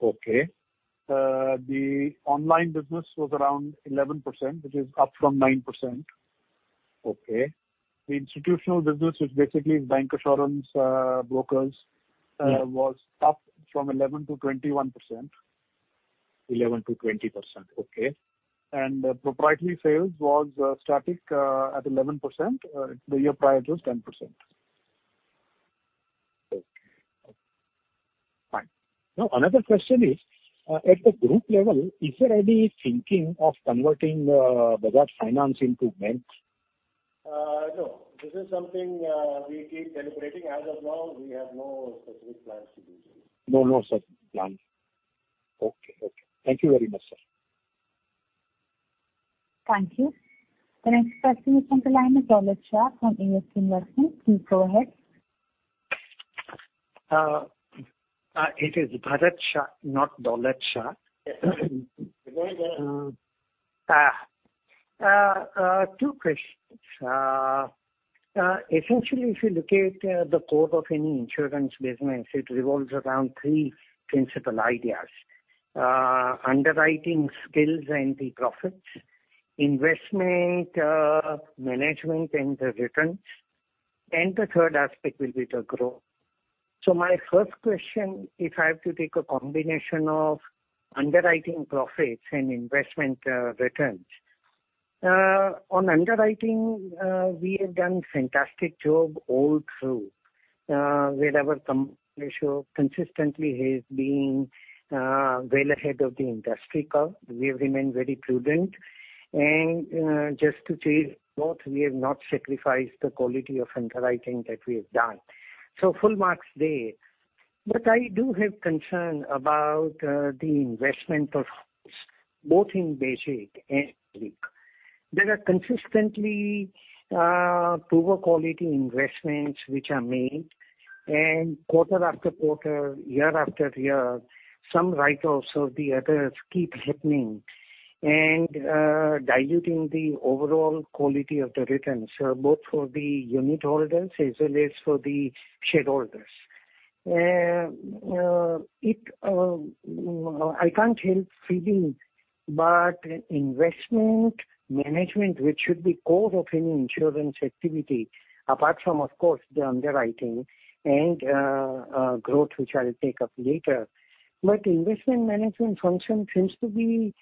Okay. The online business was around 11%, which is up from 9%. Okay. The institutional business, which basically is bancassurance brokers, was up from 11% to 21%. 11%-20%. Okay. Proprietary sales was static at 11%, the year prior it was 10%. Okay. Fine. Another question is, at the group level, is there any thinking of converting Bajaj Finance into banks? No. This is something we keep deliberating. As of now, we have no specific plans to do so. No specific plan. Okay. Thank you very much, sir. Thank you. The next question is on the line with Dolat Shah from ASK Investment. Please go ahead. It is Bharat Shah, not Dolat Shah. Two questions. Essentially, if you look at the core of any insurance business, it revolves around three principal ideas: underwriting skills and the profits, investment management and the returns, and the third aspect will be the growth. My first question, if I have to take a combination of underwriting profits and investment returns. On underwriting, we have done fantastic job all through. We never consistently has been well ahead of the industry curve. We have remained very prudent and just to chase both, we have not sacrificed the quality of underwriting that we have done. Full marks there. I do have concern about the investment performance, both in BAGIC and. There are consistently poor quality investments which are made, and quarter-after-quarter, year-after-year, some write-offs of the others keep happening and diluting the overall quality of the returns, both for the unit holders as well as for the shareholders. I can't help feeling, but investment management, which should be core of any insurance activity, apart from, of course, the underwriting and growth, which I'll take up later. Investment management function seems to be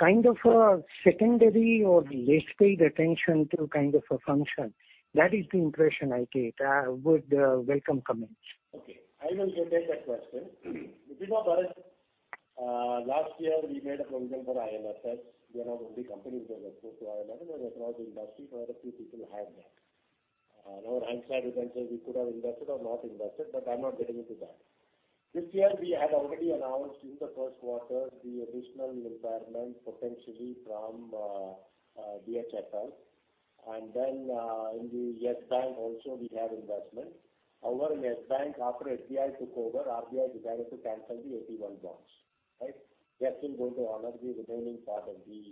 a secondary or less paid attention to function. That is the impression I get. I would welcome comments. Okay. I will take that question. You know, Bharat, last year we made a provision for IL&FS. We are not only company who gave exposure to IL&FS, across the industry quite a few people had that. On our hindsight, we can say we could have invested or not invested, I'm not getting into that. This year, we had already announced in the first quarter the additional requirement potentially from DHFL, in the Yes Bank also we have investment. However, in Yes Bank, after SBI took over, RBI decided to cancel the AT-1 bonds. Right? We are still going to honor the remaining part of the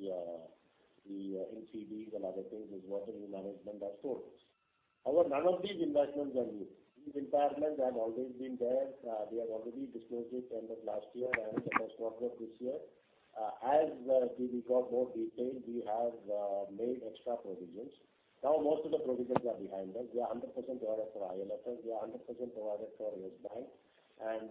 NCDs and other things as what the new management affords. However, none of these investments are new. These impairments have always been there. We have already disclosed it end of last year and the first quarter of this year. As we got more detail, we have made extra provisions. Now most of the provisions are behind us. We are 100% provided for IL&FS, we are 100% provided for Yes Bank,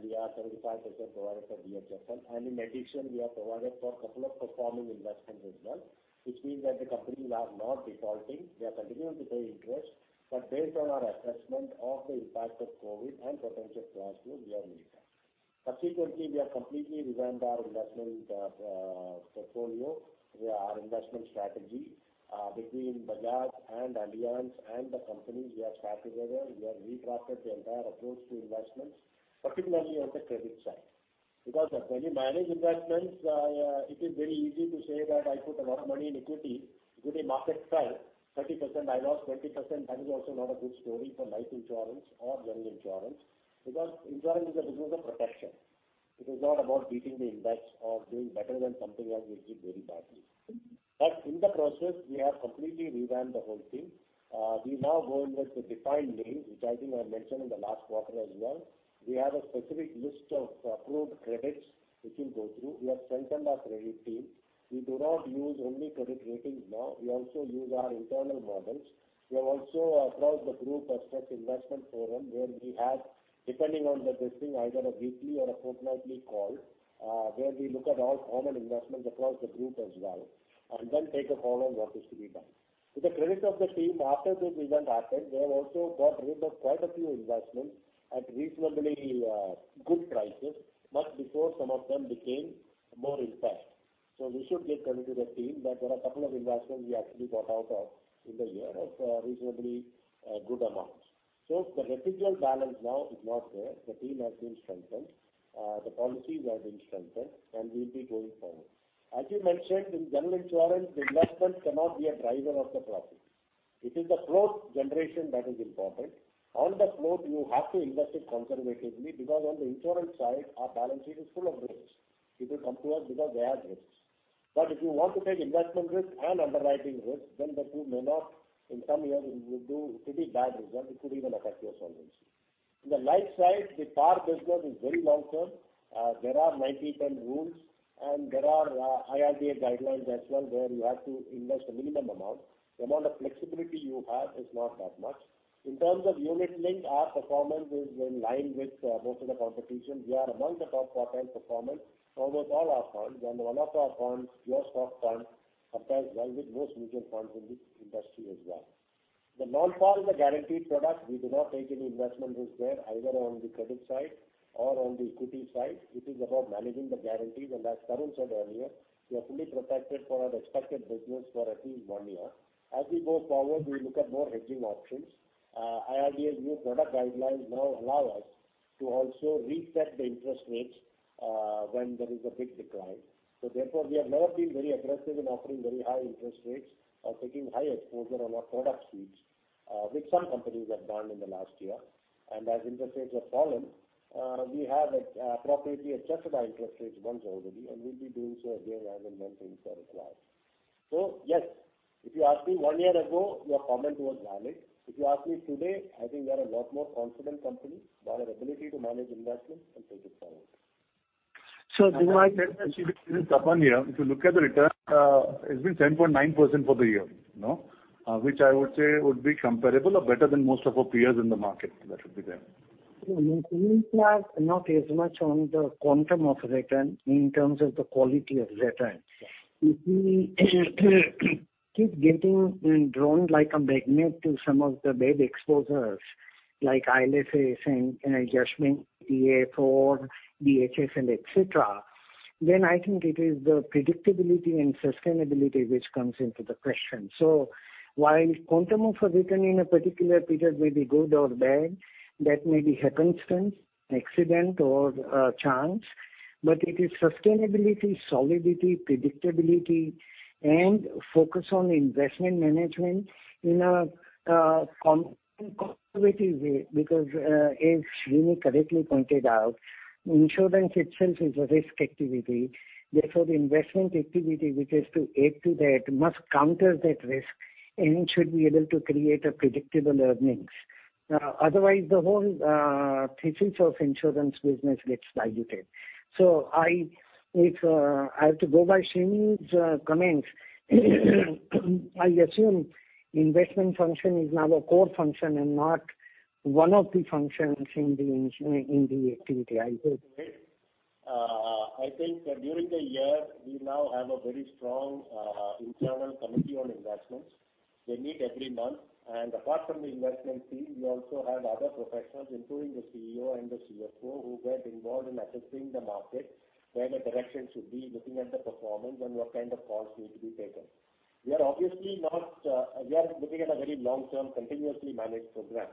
we are 75% provided for DHFL. In addition, we have provided for a couple of performing investments as well, which means that the companies are not defaulting. They are continuing to pay interest, but based on our assessment of the impact of COVID and potential transfer, we have made that. Subsequently, we have completely revamped our investment portfolio, our investment strategy. Between Bajaj and Allianz and the company, we have sat together, we have redrafted the entire approach to investments, particularly on the credit side. Because when you manage investments, it is very easy to say that I put a lot of money in equity. If the market fell 30%, I lost 20%. That is also not a good story for life insurance or general insurance, because insurance is a business of protection. It is not about beating the index or doing better than something else which did very badly. In the process, we have completely revamped the whole thing. We now go in with a defined lane, which I think I mentioned in the last quarter as well. We have a specific list of approved credits which we go through. We have strengthened our credit team. We do not use only credit ratings now, we also use our internal models. We have also, across the group, a strict investment forum where we have, depending on the testing, either a weekly or a fortnightly call, where we look at all common investments across the group as well, and then take a call on what is to be done. To the credit of the team, after this event happened, they have also got rid of quite a few investments at reasonably good prices, much before some of them became more impaired. We should give credit to the team that there are a couple of investments we actually got out of in the year of reasonably good amounts. The residual balance now is not there. The team has been strengthened. The policies have been strengthened and we'll be going forward. As you mentioned, in general insurance, the investments cannot be a driver of the profit. It is the float generation that is important. On the float, you have to invest it conservatively because on the insurance side, our balance sheet is full of risks. People come to us because they have risks. If you want to take investment risk and underwriting risk, then the two may not, in some years it will do pretty bad result. It could even affect your solvency. In the life side, the core business is very long-term. There are 90-term rules. IRDA guidelines as well, where you have to invest a minimum amount. The amount of flexibility you have is not that much. In terms of unit link, our performance is in line with most of the competition. We are among the top quartile performance over all our funds. One of our funds, pure stock funds, compares well with most mutual funds in the industry as well. The non-par is a guaranteed product. We do not take any investment risk there, either on the credit side or on the equity side. It is about managing the guarantees. As Tarun said earlier, we are fully protected for our expected business for at least one year. As we go forward, we look at more hedging options. IRDA's new product guidelines now allow us to also reset the interest rates when there is a big decline. Therefore, we have never been very aggressive in offering very high interest rates or taking high exposure on our product suites, which some companies have done in the last year. As interest rates have fallen, we have appropriately adjusted our interest rates once already, and we'll be doing so again as and when things are required. Yes, if you ask me one year ago, your comment was valid. If you ask me today, I think we are a lot more confident company about our ability to manage investments and take it forward. If you look at the return, it's been 10.9% for the year. Which I would say would be comparable or better than most of our peers in the market that would be there. We are not as much on the quantum of return in terms of the quality of return. If we keep getting drawn like a magnet to some of the bad exposures like IL&FS and, EA4, BHS and et cetera, I think it is the predictability and sustainability which comes into the question. While quantum of return in a particular period may be good or bad, that may be happenstance, accident or chance, but it is sustainability, solidity, predictability, and focus on investment management in a conservative way because as Sreeni correctly pointed out, insurance itself is a risk activity. Therefore, the investment activity which is to aid to that must counter that risk and should be able to create a predictable earnings. Otherwise, the whole thesis of insurance business gets diluted. If I have to go by Sreeni's comments, I assume investment function is now a core function and not one of the functions in the activity. I think during the year, we now have a very strong internal committee on investments. They meet every month. Apart from the investment team, we also have other professionals, including the CEO and the CFO, who get involved in assessing the market, where the direction should be, looking at the performance, and what kind of calls need to be taken. We are looking at a very long-term, continuously managed program.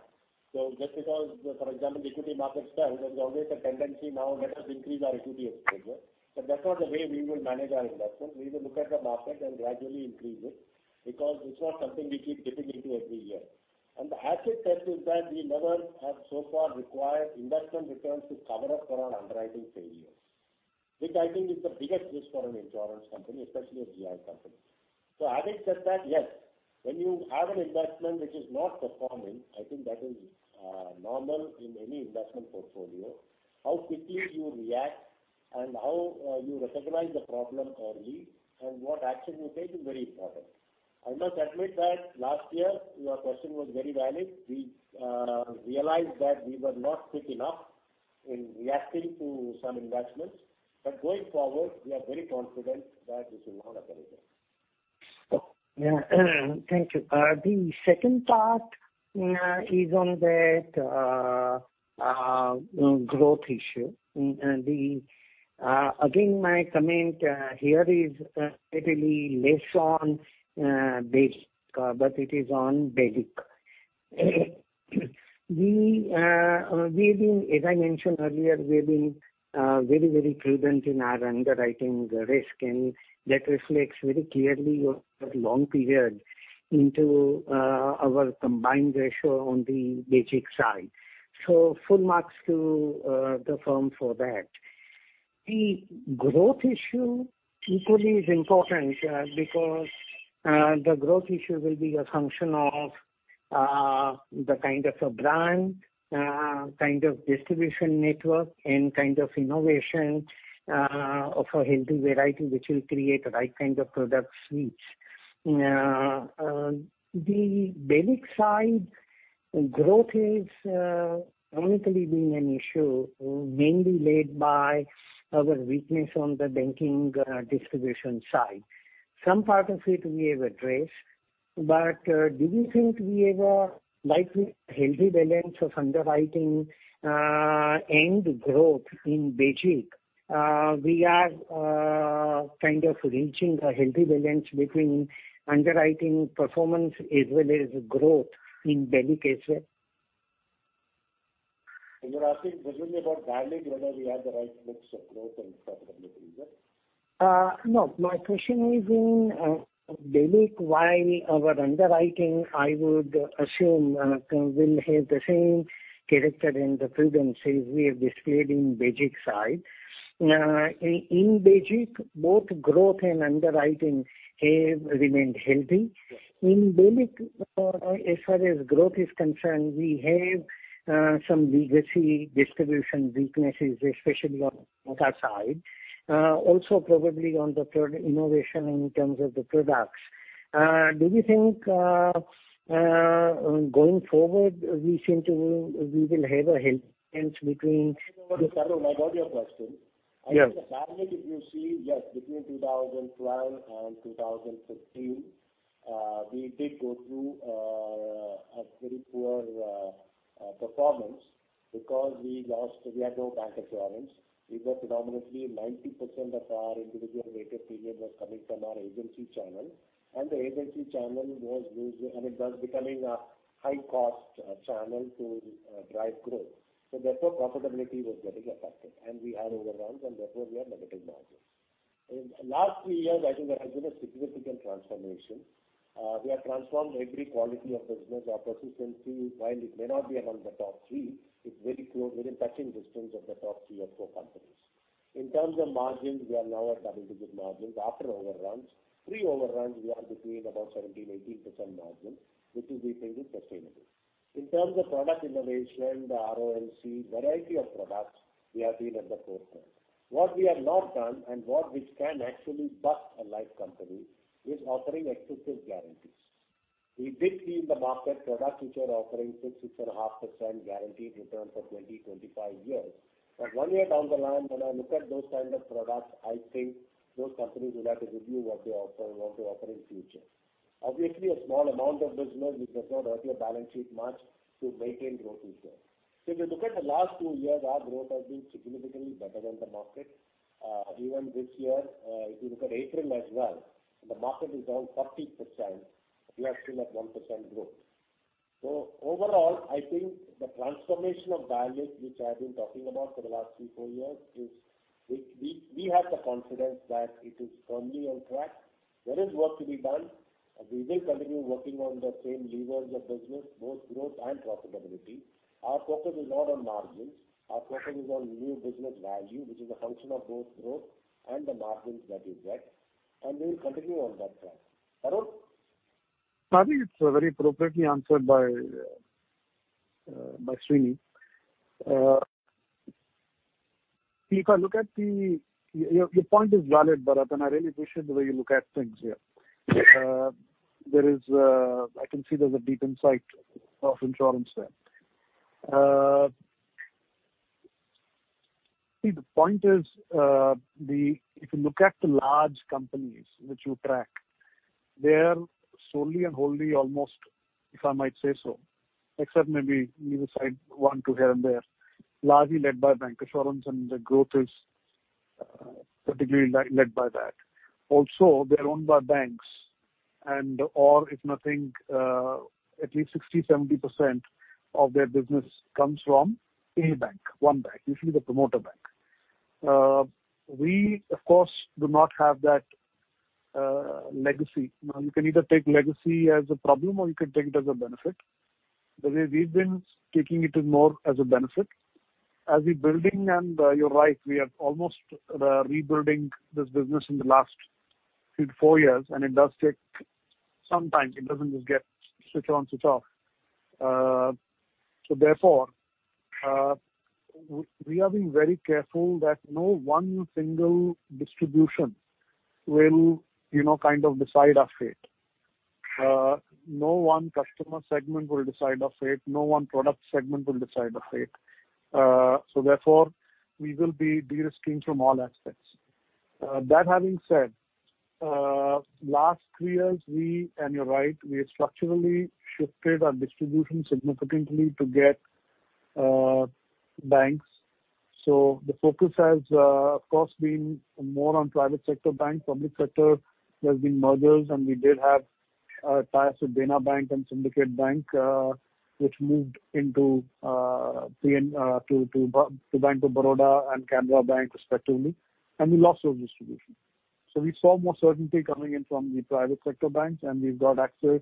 Just because, for example, the equity market rises, there's always a tendency now let us increase our equity exposure. That's not the way we will manage our investment. We will look at the market and gradually increase it because it's not something we keep dipping into every year. The asset test is that we never have so far required investment returns to cover up for our underwriting failures, which I think is the biggest risk for an insurance company, especially a GI company. Having said that, yes, when you have an investment which is not performing, I think that is normal in any investment portfolio. How quickly you react and how you recognize the problem early and what action you take is very important. I must admit that last year your question was very valid. We realized that we were not quick enough in reacting to some investments. Going forward, we are very confident that this will not happen again. Yeah. Thank you. The second part is on that growth issue. Again, my comment here is probably less on BAGIC, but it is on BALIC. As I mentioned earlier, we have been very, very prudent in our underwriting risk, and that reflects very clearly over a long period into our combined ratio on the BAGIC side. Full marks to the firm for that. The growth issue equally is important because the growth issue will be a function of the kind of a brand, kind of distribution network, and kind of innovation of a healthy variety, which will create the right kind of product suites. The BALIC side growth has chronically been an issue, mainly led by our weakness on the banking distribution side. Some part of it we have addressed. Do we think we have a likely healthy balance of underwriting and growth in BAGIC? We are kind of reaching a healthy balance between underwriting performance as well as growth in BALIC as well. You're asking basically about balancing whether we have the right mix of growth and profitability. Is that? No. My question is in BALIC, while our underwriting, I would assume will have the same character and the prudence as we have displayed in BAGIC side. In BAGIC, both growth and underwriting have remained healthy. In BALIC, as far as growth is concerned, we have some legacy distribution weaknesses, especially on the data side, also probably on the product innovation in terms of the products. Do we think going forward we will have a hint between. Bharat, I got your question. Yes. I think the value, if you see, yes, between 2012 and 2015, we did go through a very poor performance because we had no bancassurance. We were predominantly 90% of our individual rated premium was coming from our agency channel. The agency channel was becoming a high-cost channel to drive growth. Therefore, profitability was getting affected. We had overruns, and therefore, we had negative margins. In last three years, I think there has been a significant transformation. We have transformed every quality of business. Our persistency, while it may not be among the top three, is very close, within touching distance of the top three or four companies. In terms of margins, we are now at double-digit margins after overruns. Pre-overrun, we are between about 17, 18% margin, which we think is sustainable. In terms of product innovation, the RoAC, variety of products, we have been at the forefront. What we have not done and what which can actually bust a life company is offering excessive guarantees. We did see in the market products which are offering 6.5% guaranteed return for 20, 25 years. One year down the line, when I look at those kinds of products, I think those companies will have to review what they offer in future. Obviously, a small amount of business which does not hurt your balance sheet much to maintain growth is there. If you look at the last two years, our growth has been significantly better than the market. Even this year, if you look at April as well, the market is down 30%, we are still at 1% growth. Overall, I think the transformation of Bajaj, which I have been talking about for the last three, four years is we have the confidence that it is firmly on track. There is work to be done, and we will continue working on the same levers of business, both growth and profitability. Our focus is not on margins. Our focus is on new business value, which is a function of both growth and the margins that you get. We will continue on that track. Tarun? I think it's very appropriately answered by Sreeni. Your point is valid, Bharat, and I really appreciate the way you look at things here. I can see there's a deep insight of insurance there. See, the point is if you look at the large companies which you track, they are solely and wholly almost, if I might say so, except maybe either side one, two here and there, largely led by bancassurance, and the growth is particularly led by that. Also, they're owned by banks and/or if nothing at least 60%, 70% of their business comes from a bank, one bank, usually the promoter bank. We, of course, do not have that legacy. Now, you can either take legacy as a problem or you can take it as a benefit. The way we've been taking it is more as a benefit. As we're building and you're right, we are almost rebuilding this business in the last three to four years, and it does take some time. It doesn't just get switch on, switch off. Therefore, we are being very careful that no one single distribution will decide our fate. No one customer segment will decide our fate. No one product segment will decide our fate. Therefore, we will be de-risking from all aspects. That having said, last three years, and you're right, we structurally shifted our distribution significantly to get banks. The focus has, of course, been more on private sector banks. Public sector, there's been mergers, and we did have ties with Dena Bank and Syndicate Bank which moved into Bank of Baroda and Canara Bank respectively, and we lost those distributions. We saw more certainty coming in from the private sector banks, and we've got Axis,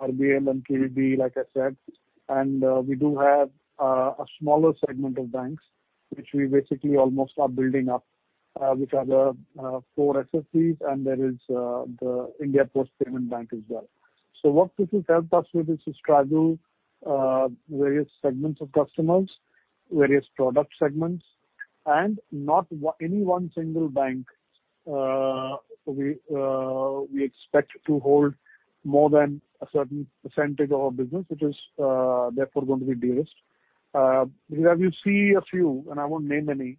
RBL Bank, and KVB, like I said, and we do have a smaller segment of banks, which we basically almost are building up which are the four SFB and there is the India Post Payments Bank as well. What this will help us with is to straddle various segments of customers, various product segments, and not any one single bank we expect to hold more than a certain percentage of our business, which is therefore going to be de-risked. As you see a few, and I won't name any,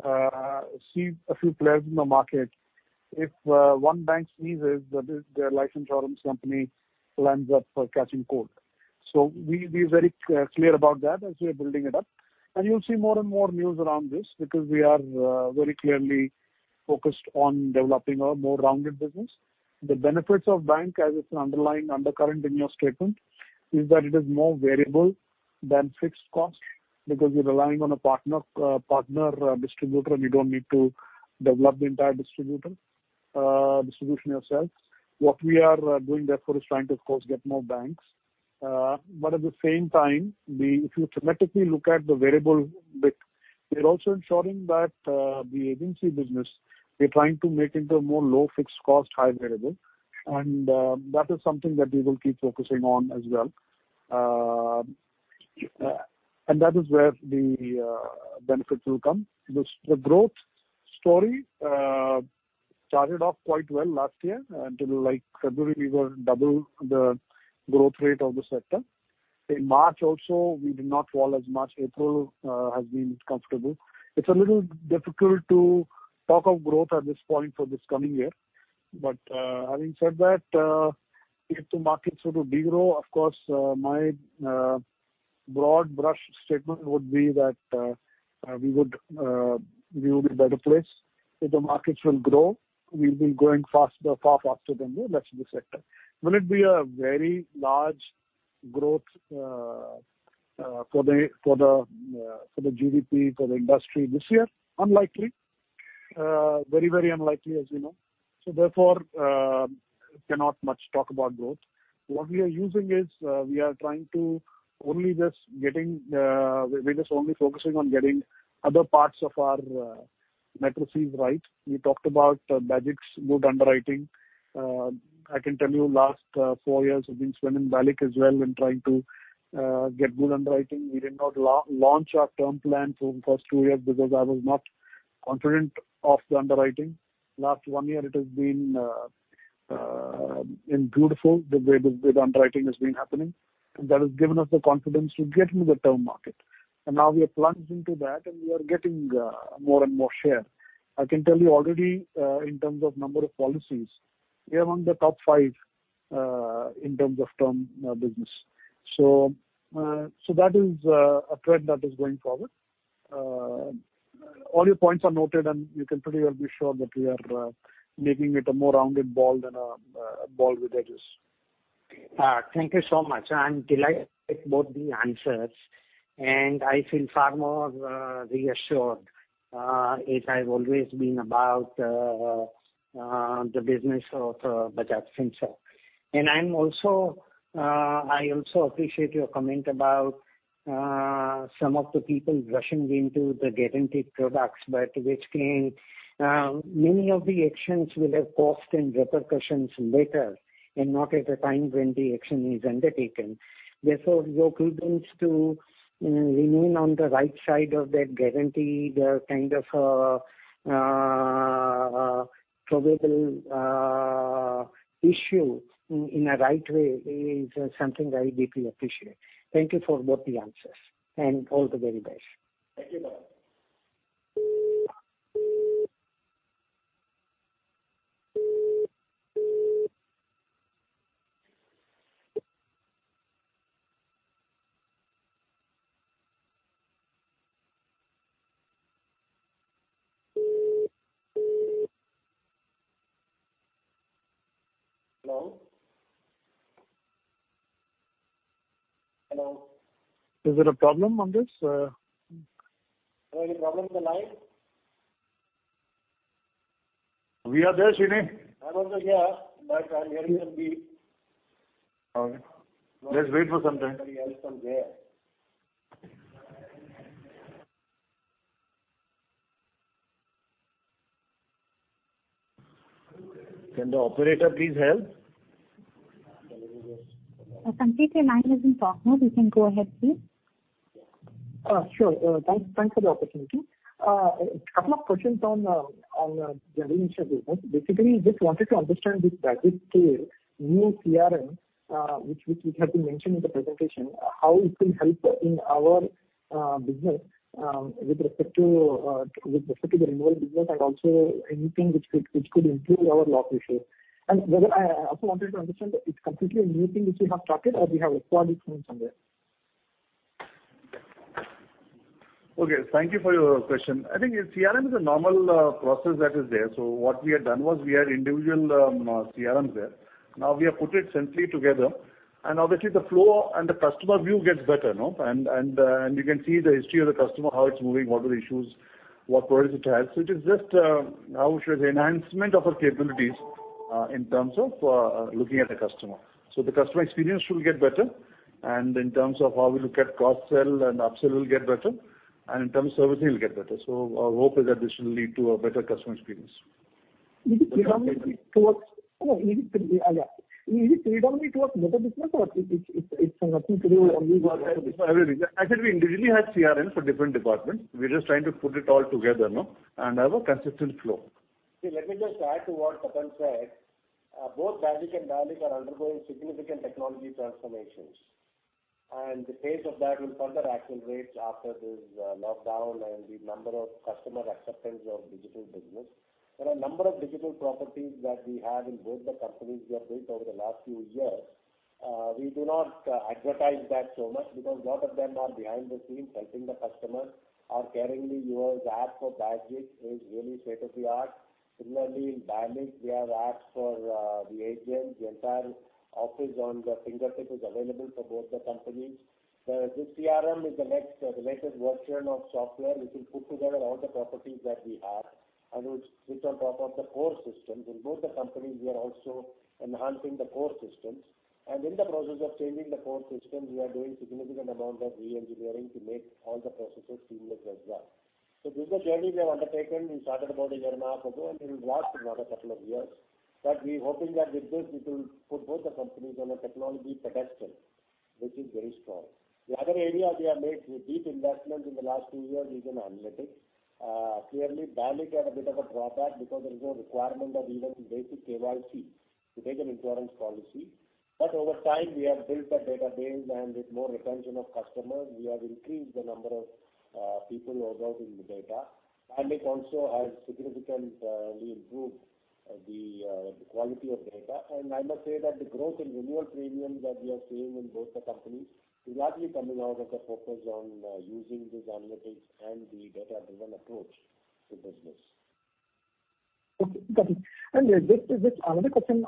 players in the market. If one bank sneezes, their life insurance company lands up catching cold. We're very clear about that as we are building it up. You'll see more and more news around this because we are very clearly focused on developing a more rounded business. The benefits of bank as it's an underlying undercurrent in your statement is that it is more variable than fixed cost because you're relying on a partner distributor and you don't need to develop the entire distribution yourself. What we are doing, therefore, is trying to, of course, get more banks. At the same time, if you systematically look at the variable bit, we're also ensuring that the agency business, we're trying to make into a more low fixed cost, high variable, and that is something that we will keep focusing on as well. That is where the benefits will come. The growth story started off quite well last year until February we were double the growth rate of the sector. In March also, we did not fall as much. April has been comfortable. It's a little difficult to talk of growth at this point for this coming year. Having said that, if the markets were to degrow, of course, my broad brush statement would be that we would be in a better place. If the markets will grow, we'll be growing faster, far faster than the rest of the sector. Will it be a very large growth for the GDP, for the industry this year? Unlikely. Very unlikely as you know. Therefore, cannot much talk about growth. What we are using is we are trying to only just focusing on getting other parts of our matrices right. We talked about Bajaj's good underwriting. I can tell you last four years we've been spending BAGIC as well in trying to get good underwriting. We did not launch our term plan for first two years because I was not confident of the underwriting. Last one year it has been beautiful, the way the underwriting has been happening. That has given us the confidence to get into the term market. Now we have plunged into that and we are getting more and more share. I can tell you already, in terms of number of policies, we are among the top five in terms of term business. That is a trend that is going forward. All your points are noted, You can pretty well be sure that we are making it a more rounded ball than a ball with edges. Thank you so much. I'm delighted with both the answers, and I feel far more reassured as I've always been about the business of Bajaj Finserv. I also appreciate your comment about some of the people rushing into the guaranteed products, but many of the actions will have cost and repercussions later and not at the time when the action is undertaken. Therefore, your prudence to remain on the right side of that guaranteed kind of probable issue in a right way is something I deeply appreciate. Thank you for both the answers, and all the very best. Thank you. Hello. Hello. Is there a problem on this? Any problem with the line? We are there, Sreeni. I'm also here, but I'm hearing a beep. Okay. Let's wait for some time. Somebody else from there. Can the operator please help? Sandeep, your line isn't talking. You can go ahead, please. Sure. Thanks for the opportunity. A couple of questions on the general insurance business. Basically, just wanted to understand this practice scale, new CRM, which we have been mentioned in the presentation, how it will help in our business, with respect to the renewal business and also anything which could improve our loss ratio. I also wanted to understand, it's completely a new thing which we have tracked or we have acquired it from somewhere. Okay. Thank you for your question. I think CRM is a normal process that is there. What we had done was we had individual CRMs there. Now we have put it centrally together, obviously the flow and the customer view gets better. You can see the history of the customer, how it's moving, what are the issues, what products it has. It is just how should I say, enhancement of our capabilities in terms of looking at the customer. The customer experience should get better, and in terms of how we look at cross-sell and upsell will get better. In terms of everything will get better. Our hope is that this will lead to a better customer experience. Is it predominantly towards better business or it's nothing to do only with better business? Actually, we individually had CRM for different departments. We're just trying to put it all together and have a consistent flow. Let me just add to what Tapan said. Both Bajaj and BAGIC are undergoing significant technology transformations. The pace of that will further accelerate after this lockdown and the number of customer acceptance of digital business. There are a number of digital properties that we have in both the companies we have built over the last few years. We do not advertise that so much because lot of them are behind the scenes helping the customer or Caringly Yours app for BAGIC is really state of the art. In BAGIC, we have apps for the agents. The entire office on their fingertip is available for both the companies. This CRM is the latest version of software which will put together all the properties that we have and which sit on top of the core systems. Both the companies, we are also enhancing the core systems. In the process of changing the core systems, we are doing significant amount of re-engineering to make all the processes seamless as well. This is a journey we have undertaken. We started about a year and a half ago, and it will last another couple of years. We're hoping that with this it will put both the companies on a technology pedestal Which is very strong. The other area we have made deep investments in the last two years is in analytics. Clearly, BALIC had a bit of a drawback because there is no requirement of even basic KYC to take an insurance policy. Over time, we have built that database, and with more retention of customers, we have increased the number of people overall in the data. BALIC also has significantly improved the quality of data. I must say that the growth in renewal premium that we are seeing in both the companies is largely coming out of the focus on using these analytics and the data-driven approach to business. Okay, got it. Just another question,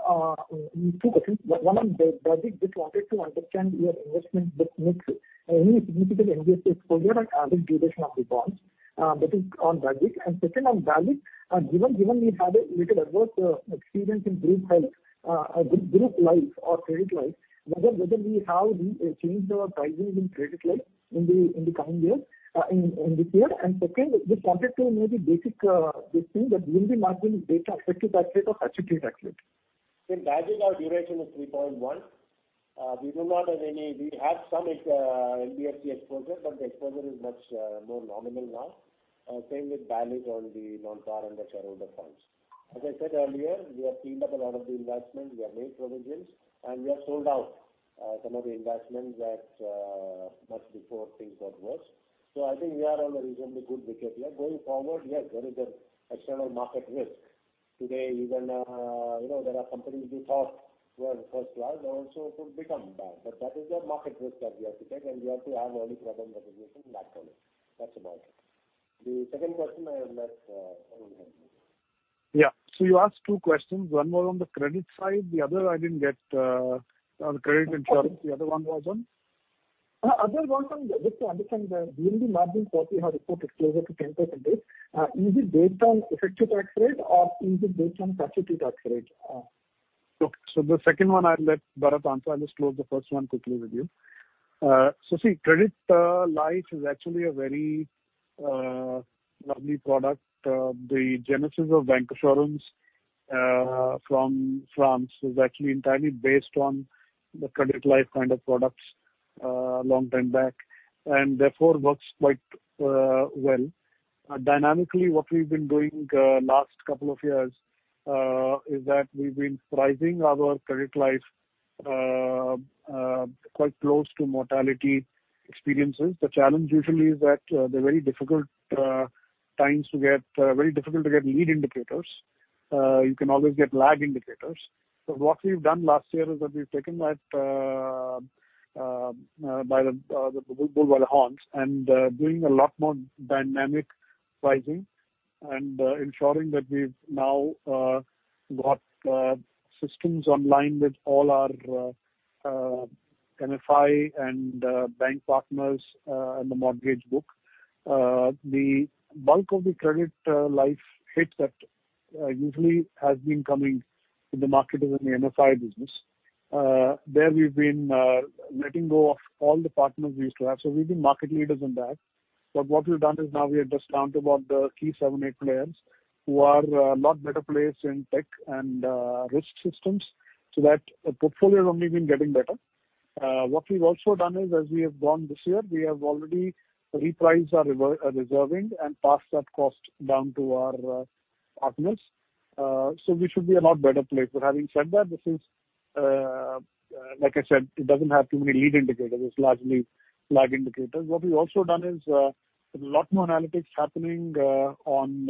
two questions. One on Bajaj, just wanted to understand your investment book mix. Any significant NBFC exposure and average duration of the bonds. That is on Bajaj. Second on Bajaj, given we had a little adverse experience in group life or credit life, whether we have re-changed our pricing in credit life in this year. Second, just wanted to maybe BAGIC thing that VNB margin is based on effective tax rate or statutory tax rate. In Bajaj, our duration is 3.1. We have some NBFC exposure, the exposure is much more nominal now. Same with BALIC on the non-par and the shareholder funds. As I said earlier, we have cleaned up a lot of the investments. We have made provisions, we have sold out some of the investments much before things got worse. I think we are on a reasonably good wicket there. Going forward, yes, there is an external market risk. Today, even there are companies we thought were first class, also could become bad. That is the market risk that we have to take, we have to have only provision that we're making in that only. That's about it. The second question, I'll let Tarun handle. Yeah. You asked two questions. One was on the credit side, the other I didn't get on the credit insurance. The other one was on? Other one just to understand the VNB margin for we have reported closer to 10%. Is it based on effective tax rate or is it based on statutory tax rate? Okay. The second one I'll let Bharat answer. I'll just close the first one quickly with you. See, credit life is actually a very lovely product. The genesis of bancassurance from France is actually entirely based on the credit life kind of products long time back and therefore works quite well. Dynamically, what we've been doing last couple of years is that we've been pricing our credit life quite close to mortality experiences. The challenge usually is that they're very difficult to get lead indicators. You can always get lag indicators. What we've done last year is that we've taken that bull by the horns and doing a lot more dynamic pricing and ensuring that we've now got systems online with all our MFI and bank partners and the mortgage book. The bulk of the credit life hits that usually has been coming in the market is in the MFI business. There we've been letting go of all the partners we used to have. We've been market leaders in that. What we've done is now we are just down to about the key seven, eight players who are a lot better placed in tech and risk systems, so that portfolio has only been getting better. What we've also done is, as we have gone this year, we have already repriced our reserving and passed that cost down to our partners. We should be a lot better placed. Having said that, this is, like I said, it doesn't have too many lead indicators. It's largely lag indicators. What we've also done is a lot more analytics happening on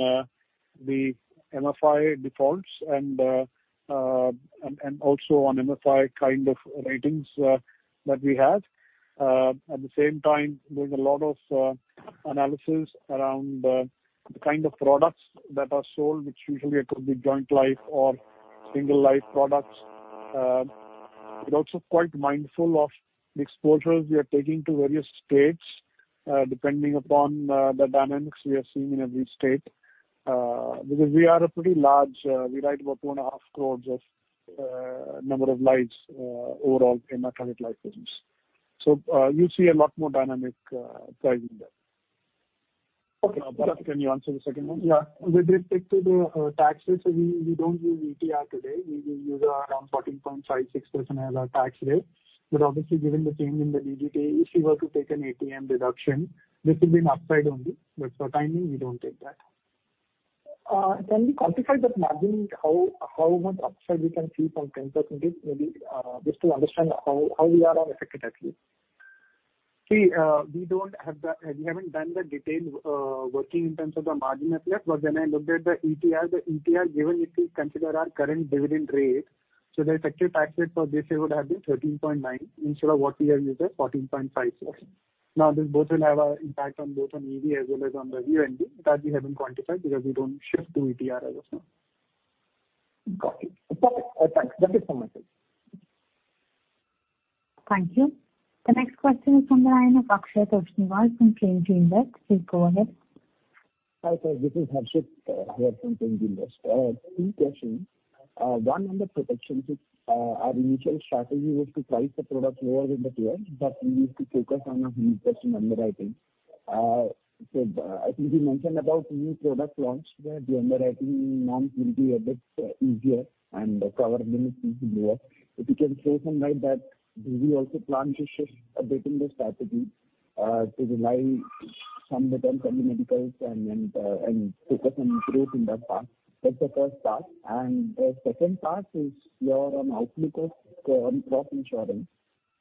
the MFI defaults and also on MFI kind of ratings that we have. At the same time, there's a lot of analysis around the kind of products that are sold, which usually could be joint life or single life products. We're also quite mindful of the exposures we are taking to various states, depending upon the dynamics we are seeing in every state. We write about 2.5 crore of number of lives overall in our credit life business. You see a lot more dynamic pricing there. Okay. Bharat, can you answer the second one? Yeah. With respect to the tax rate, we don't use ETR today. We use around 14.56% as our tax rate. Obviously, given the change in the DDT, if we were to take an 80M deduction, this will be an upside only. For timing, we don't take that. Can we quantify that margin? How much upside we can see from 10%, maybe just to understand how we are on effective tax rate? We haven't done the detailed working in terms of the margin as yet. When I looked at the ETR, the ETR given, if we consider our current dividend rate, the effective tax rate for this year would have been 13.9 instead of what we have used as 14.56. This both will have an impact on both on EV as well as on the VNB. That we haven't quantified because we don't shift to ETR as of now. Got it. That's it from my side. Thank you. The next question is from the line of Akshay Toshniwal from Trend Invest. Please go ahead. Hi, sir. This is Harshit here from Trend Invest. Two questions. One on the protection. Our initial strategy was to price the product lower than the peers, but we need to focus on 100% underwriting. I think you mentioned about new product launch where the underwriting norms will be a bit easier and cover limit will be lower. If you can throw some light that do we also plan to shift a bit in the strategy to rely some bit on telemedical and focus and improve in that part? That's the first part. The second part is your outlook of crop insurance.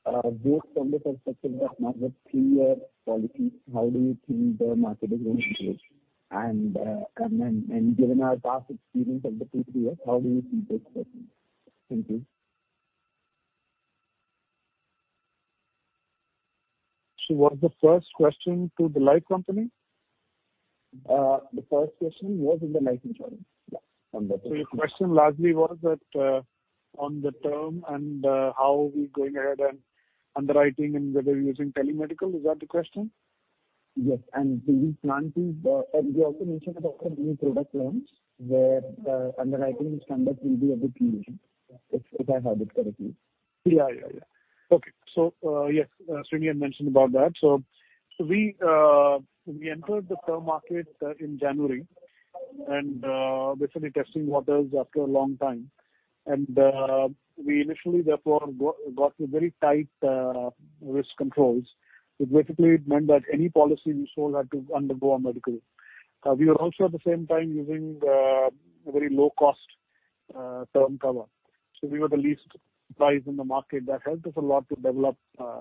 Both from the perspective of now the three-year policy, how do you think the market is going to grow? Given our past experience of the previous, how do you see this working? Thank you. Was the first question to the life company? The first question was in the life insurance. Yeah. Your question largely was that on the term and how are we going ahead and underwriting and whether using telemedical, is that the question? Yes. You also mentioned about the new product launch where the underwriting standard will be a bit easier, if I heard it correctly. Yeah. Okay. Yes, Sreeni had mentioned about that. We entered the term market in January and basically testing waters after a long time. We initially therefore got to very tight risk controls. Basically it meant that any policy we sold had to undergo a medical. We were also at the same time using a very low-cost term cover. We were the least price in the market. That helped us a lot to develop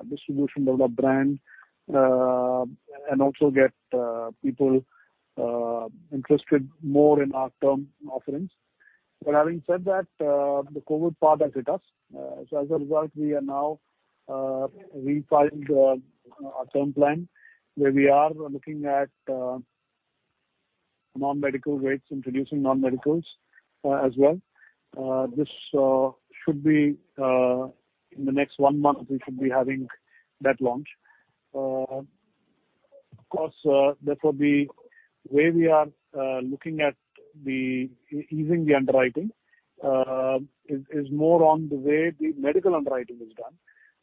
distribution, develop brand and also get people interested more in our term offerings. Having said that, the COVID part has hit us. As a result, we are now refiling our term plan where we are looking at non-medical rates, introducing non-medicals as well. In the next one month, we should be having that launch. Of course, therefore the way we are looking at the easing the underwriting is more on the way the medical underwriting is done.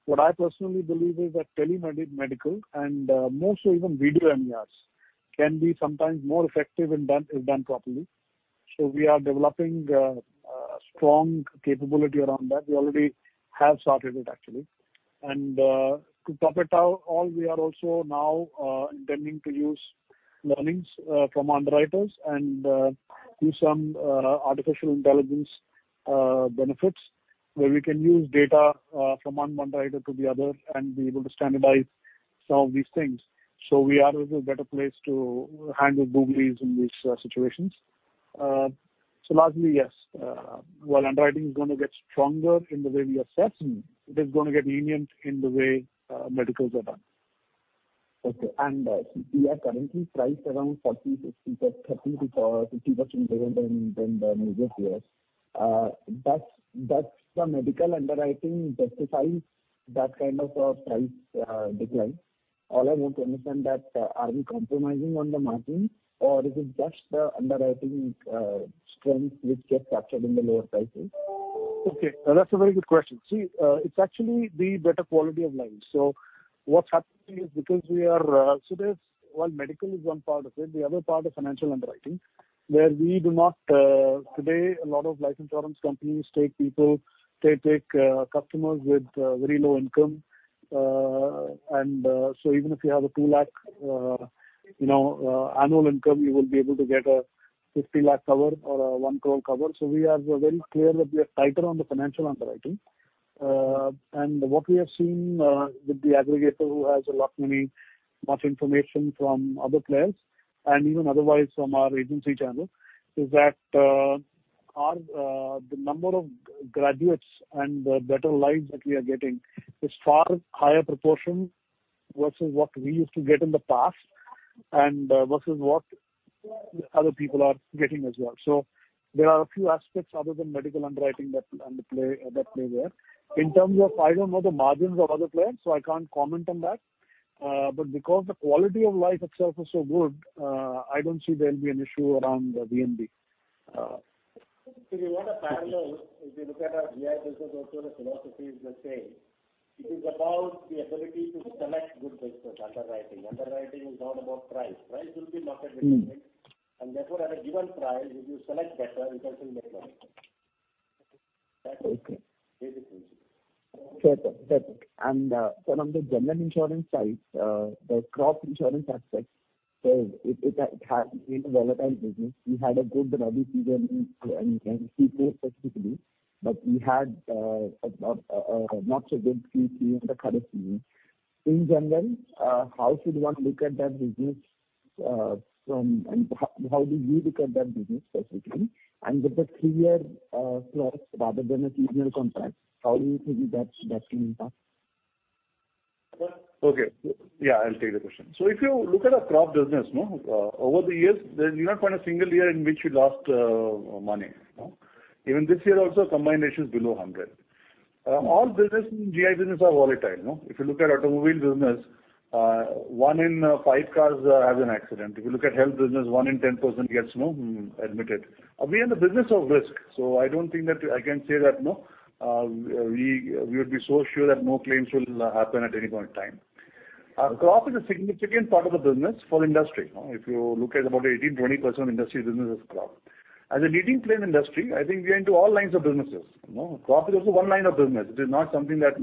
What I personally believe is that telemedical and more so even video MEs can be sometimes more effective if done properly. We are developing a strong capability around that. We already have started it actually. To top it all, we are also now intending to use learnings from underwriters and do some artificial intelligence benefits where we can use data from one underwriter to the other and be able to standardize some of these things. We are in a better place to handle bogies in these situations. Lastly, yes, while underwriting is going to get stronger in the way we assess, it is going to get lenient in the way medicals are done. Okay. We are currently priced around 40, 60 plus, 30%-50% lower than the major players. Does the medical underwriting justifies that kind of a price decline? All I want to understand that are we compromising on the margin or is it just the underwriting strength which gets captured in the lower pricing? Okay. That's a very good question. See, it's actually the better quality of life. What's happening is because while medical is one part of it, the other part is financial underwriting. Today, a lot of life insurance companies take people, they take customers with very low income. Even if you have an 2 lakh annual income, you will be able to get an 50 lakh cover or an 1 crore cover. We are very clear that we are tighter on the financial underwriting. What we have seen with the aggregator who has a lot information from other players and even otherwise from our agency channel is that the number of graduates and the better lives that we are getting is far higher proportion versus what we used to get in the past and versus what other people are getting as well. There are a few aspects other than medical underwriting that play there. In terms of I don't know the margins of other players, so I can't comment on that. Because the quality of life itself is so good, I don't see there will be an issue around VNB. If you want a parallel, if you look at our GI business also the philosophy is the same. It is about the ability to select good business underwriting. Underwriting is not about price. Price will be market determined. Therefore, at a given price, if you select better, you can still make money. Okay. That's it. Basic principle. Got it. From the general insurance side, the crop insurance aspect, it has been a volatile business. We had a good Rabi season in Q4 specifically, but we had not so good Kharif season. In general, how should one look at that business, and how do you look at that business specifically? With the three-year+ rather than a seasonal contract, how do you think that's going to impact? Okay. Yeah, I'll take the question. If you look at our crop business, over the years, you'll not find a single year in which we lost money. Even this year also combined ratio is below 100. All businesses in GI business are volatile. If you look at automobile business, one in five cars has an accident. If you look at health business, one in 10 persons gets admitted. We are in the business of risk, I don't think that I can say that we would be so sure that no claims will happen at any point in time. Crop is a significant part of the business for the industry. If you look at about 18%-20% of industry business is crop. As a leading player in industry, I think we are into all lines of businesses. Crop is also one line of business. It is not something that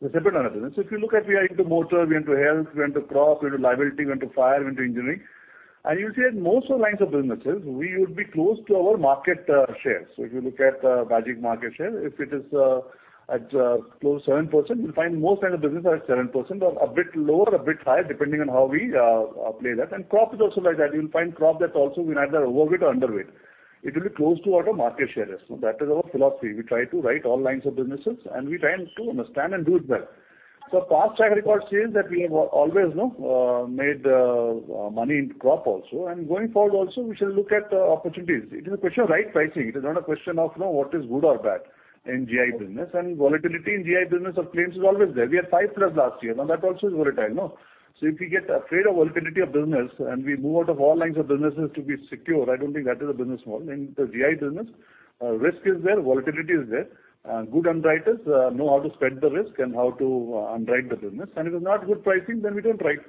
we're dependent on a business. If you look at, we are into motor, we are into health, we are into crop, we are into liability, we are into fire, we are into engineering. You'll see that most lines of businesses, we would be close to our market share. If you look at the BAGIC market share, if it is at close to 7%, you'll find most line of business are at 7% or a bit lower, a bit higher, depending on how we play that. Crop is also like that. You'll find crop that also we're neither overweight or underweight. It will be close to what our market share is. That is our philosophy. We try to write all lines of businesses, and we try and to understand and do it well. Past track record says that we have always made money in crop also. Going forward also, we shall look at opportunities. It is a question of right pricing. It is not a question of what is good or bad in GI business. Volatility in GI business or claims is always there. We had five plus last year. That also is volatile. If we get afraid of volatility of business and we move out of all lines of businesses to be secure, I don't think that is a business model. In the GI business, risk is there, volatility is there. Good underwriters know how to spread the risk and how to underwrite the business. If it's not good pricing, then we don't write.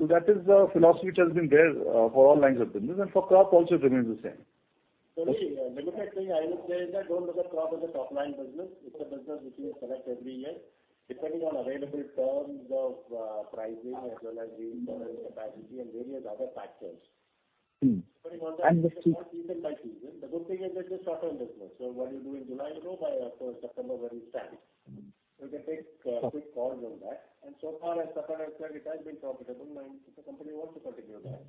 That is the philosophy which has been there for all lines of business and for crop also remains the same. The only limited thing I would say is that don't look at crop as a top-line business. It's a business which we select every year, depending on available terms of pricing as well as reinsurance capacity and various other factors. I understand. Depending on that, it is quite season by season. The good thing is it is short-term business. What you do in July, you know by October, September where you stand. We can take quick calls on that. So far as far as I'm concerned, it has been profitable, and if the company wants to continue that.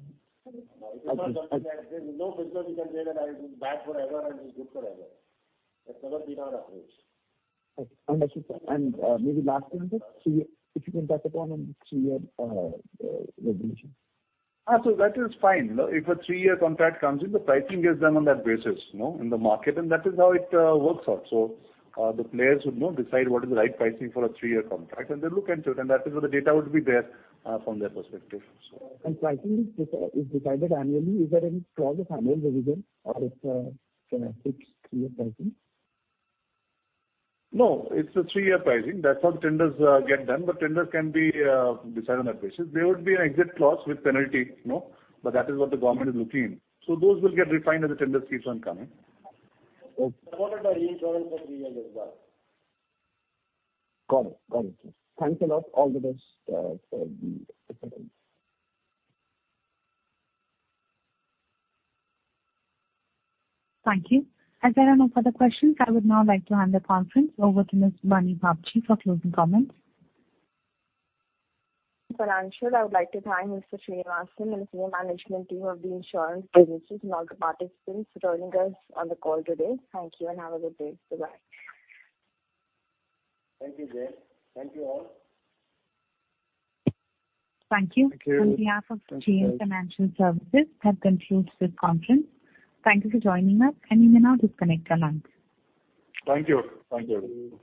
If it's not profitable- I see. there's no business you can say that, "It's bad forever and it's good forever." That's never been our approach. I understand. Maybe last one, just see if you can touch upon three-year revision. That is fine. If a three-year contract comes in, the pricing is done on that basis, in the market, that is how it works out. The players would decide what is the right pricing for a three-year contract, they look into it, that is where the data would be there from their perspective. Pricing is decided annually. Is there any clause of annual revision or it's fixed three-year pricing? No, it's a three-year pricing. That's how tenders get done, tenders can be decided on that basis. There would be an exit clause with penalty. That is what the government is looking. Those will get refined as the tender keeps on coming. They've ordered a reinsurance for three years as well. Got it. Thanks a lot. All the best for the conference. Thank you. As there are no further questions, I would now like to hand the conference over to Ms. Bani [Bachi] for closing comments. For now, I would like to thank Mr. Sreenivasan and the management team of the Insurance Businesses and all the participants for joining us on the call today. Thank you and have a good day. Goodbye. Thank you, JM. Thank you all. Thank you. Thank you. On behalf of JM Financial Services, that concludes this conference. Thank you for joining us. You may now disconnect your lines. Thank you. Thank you.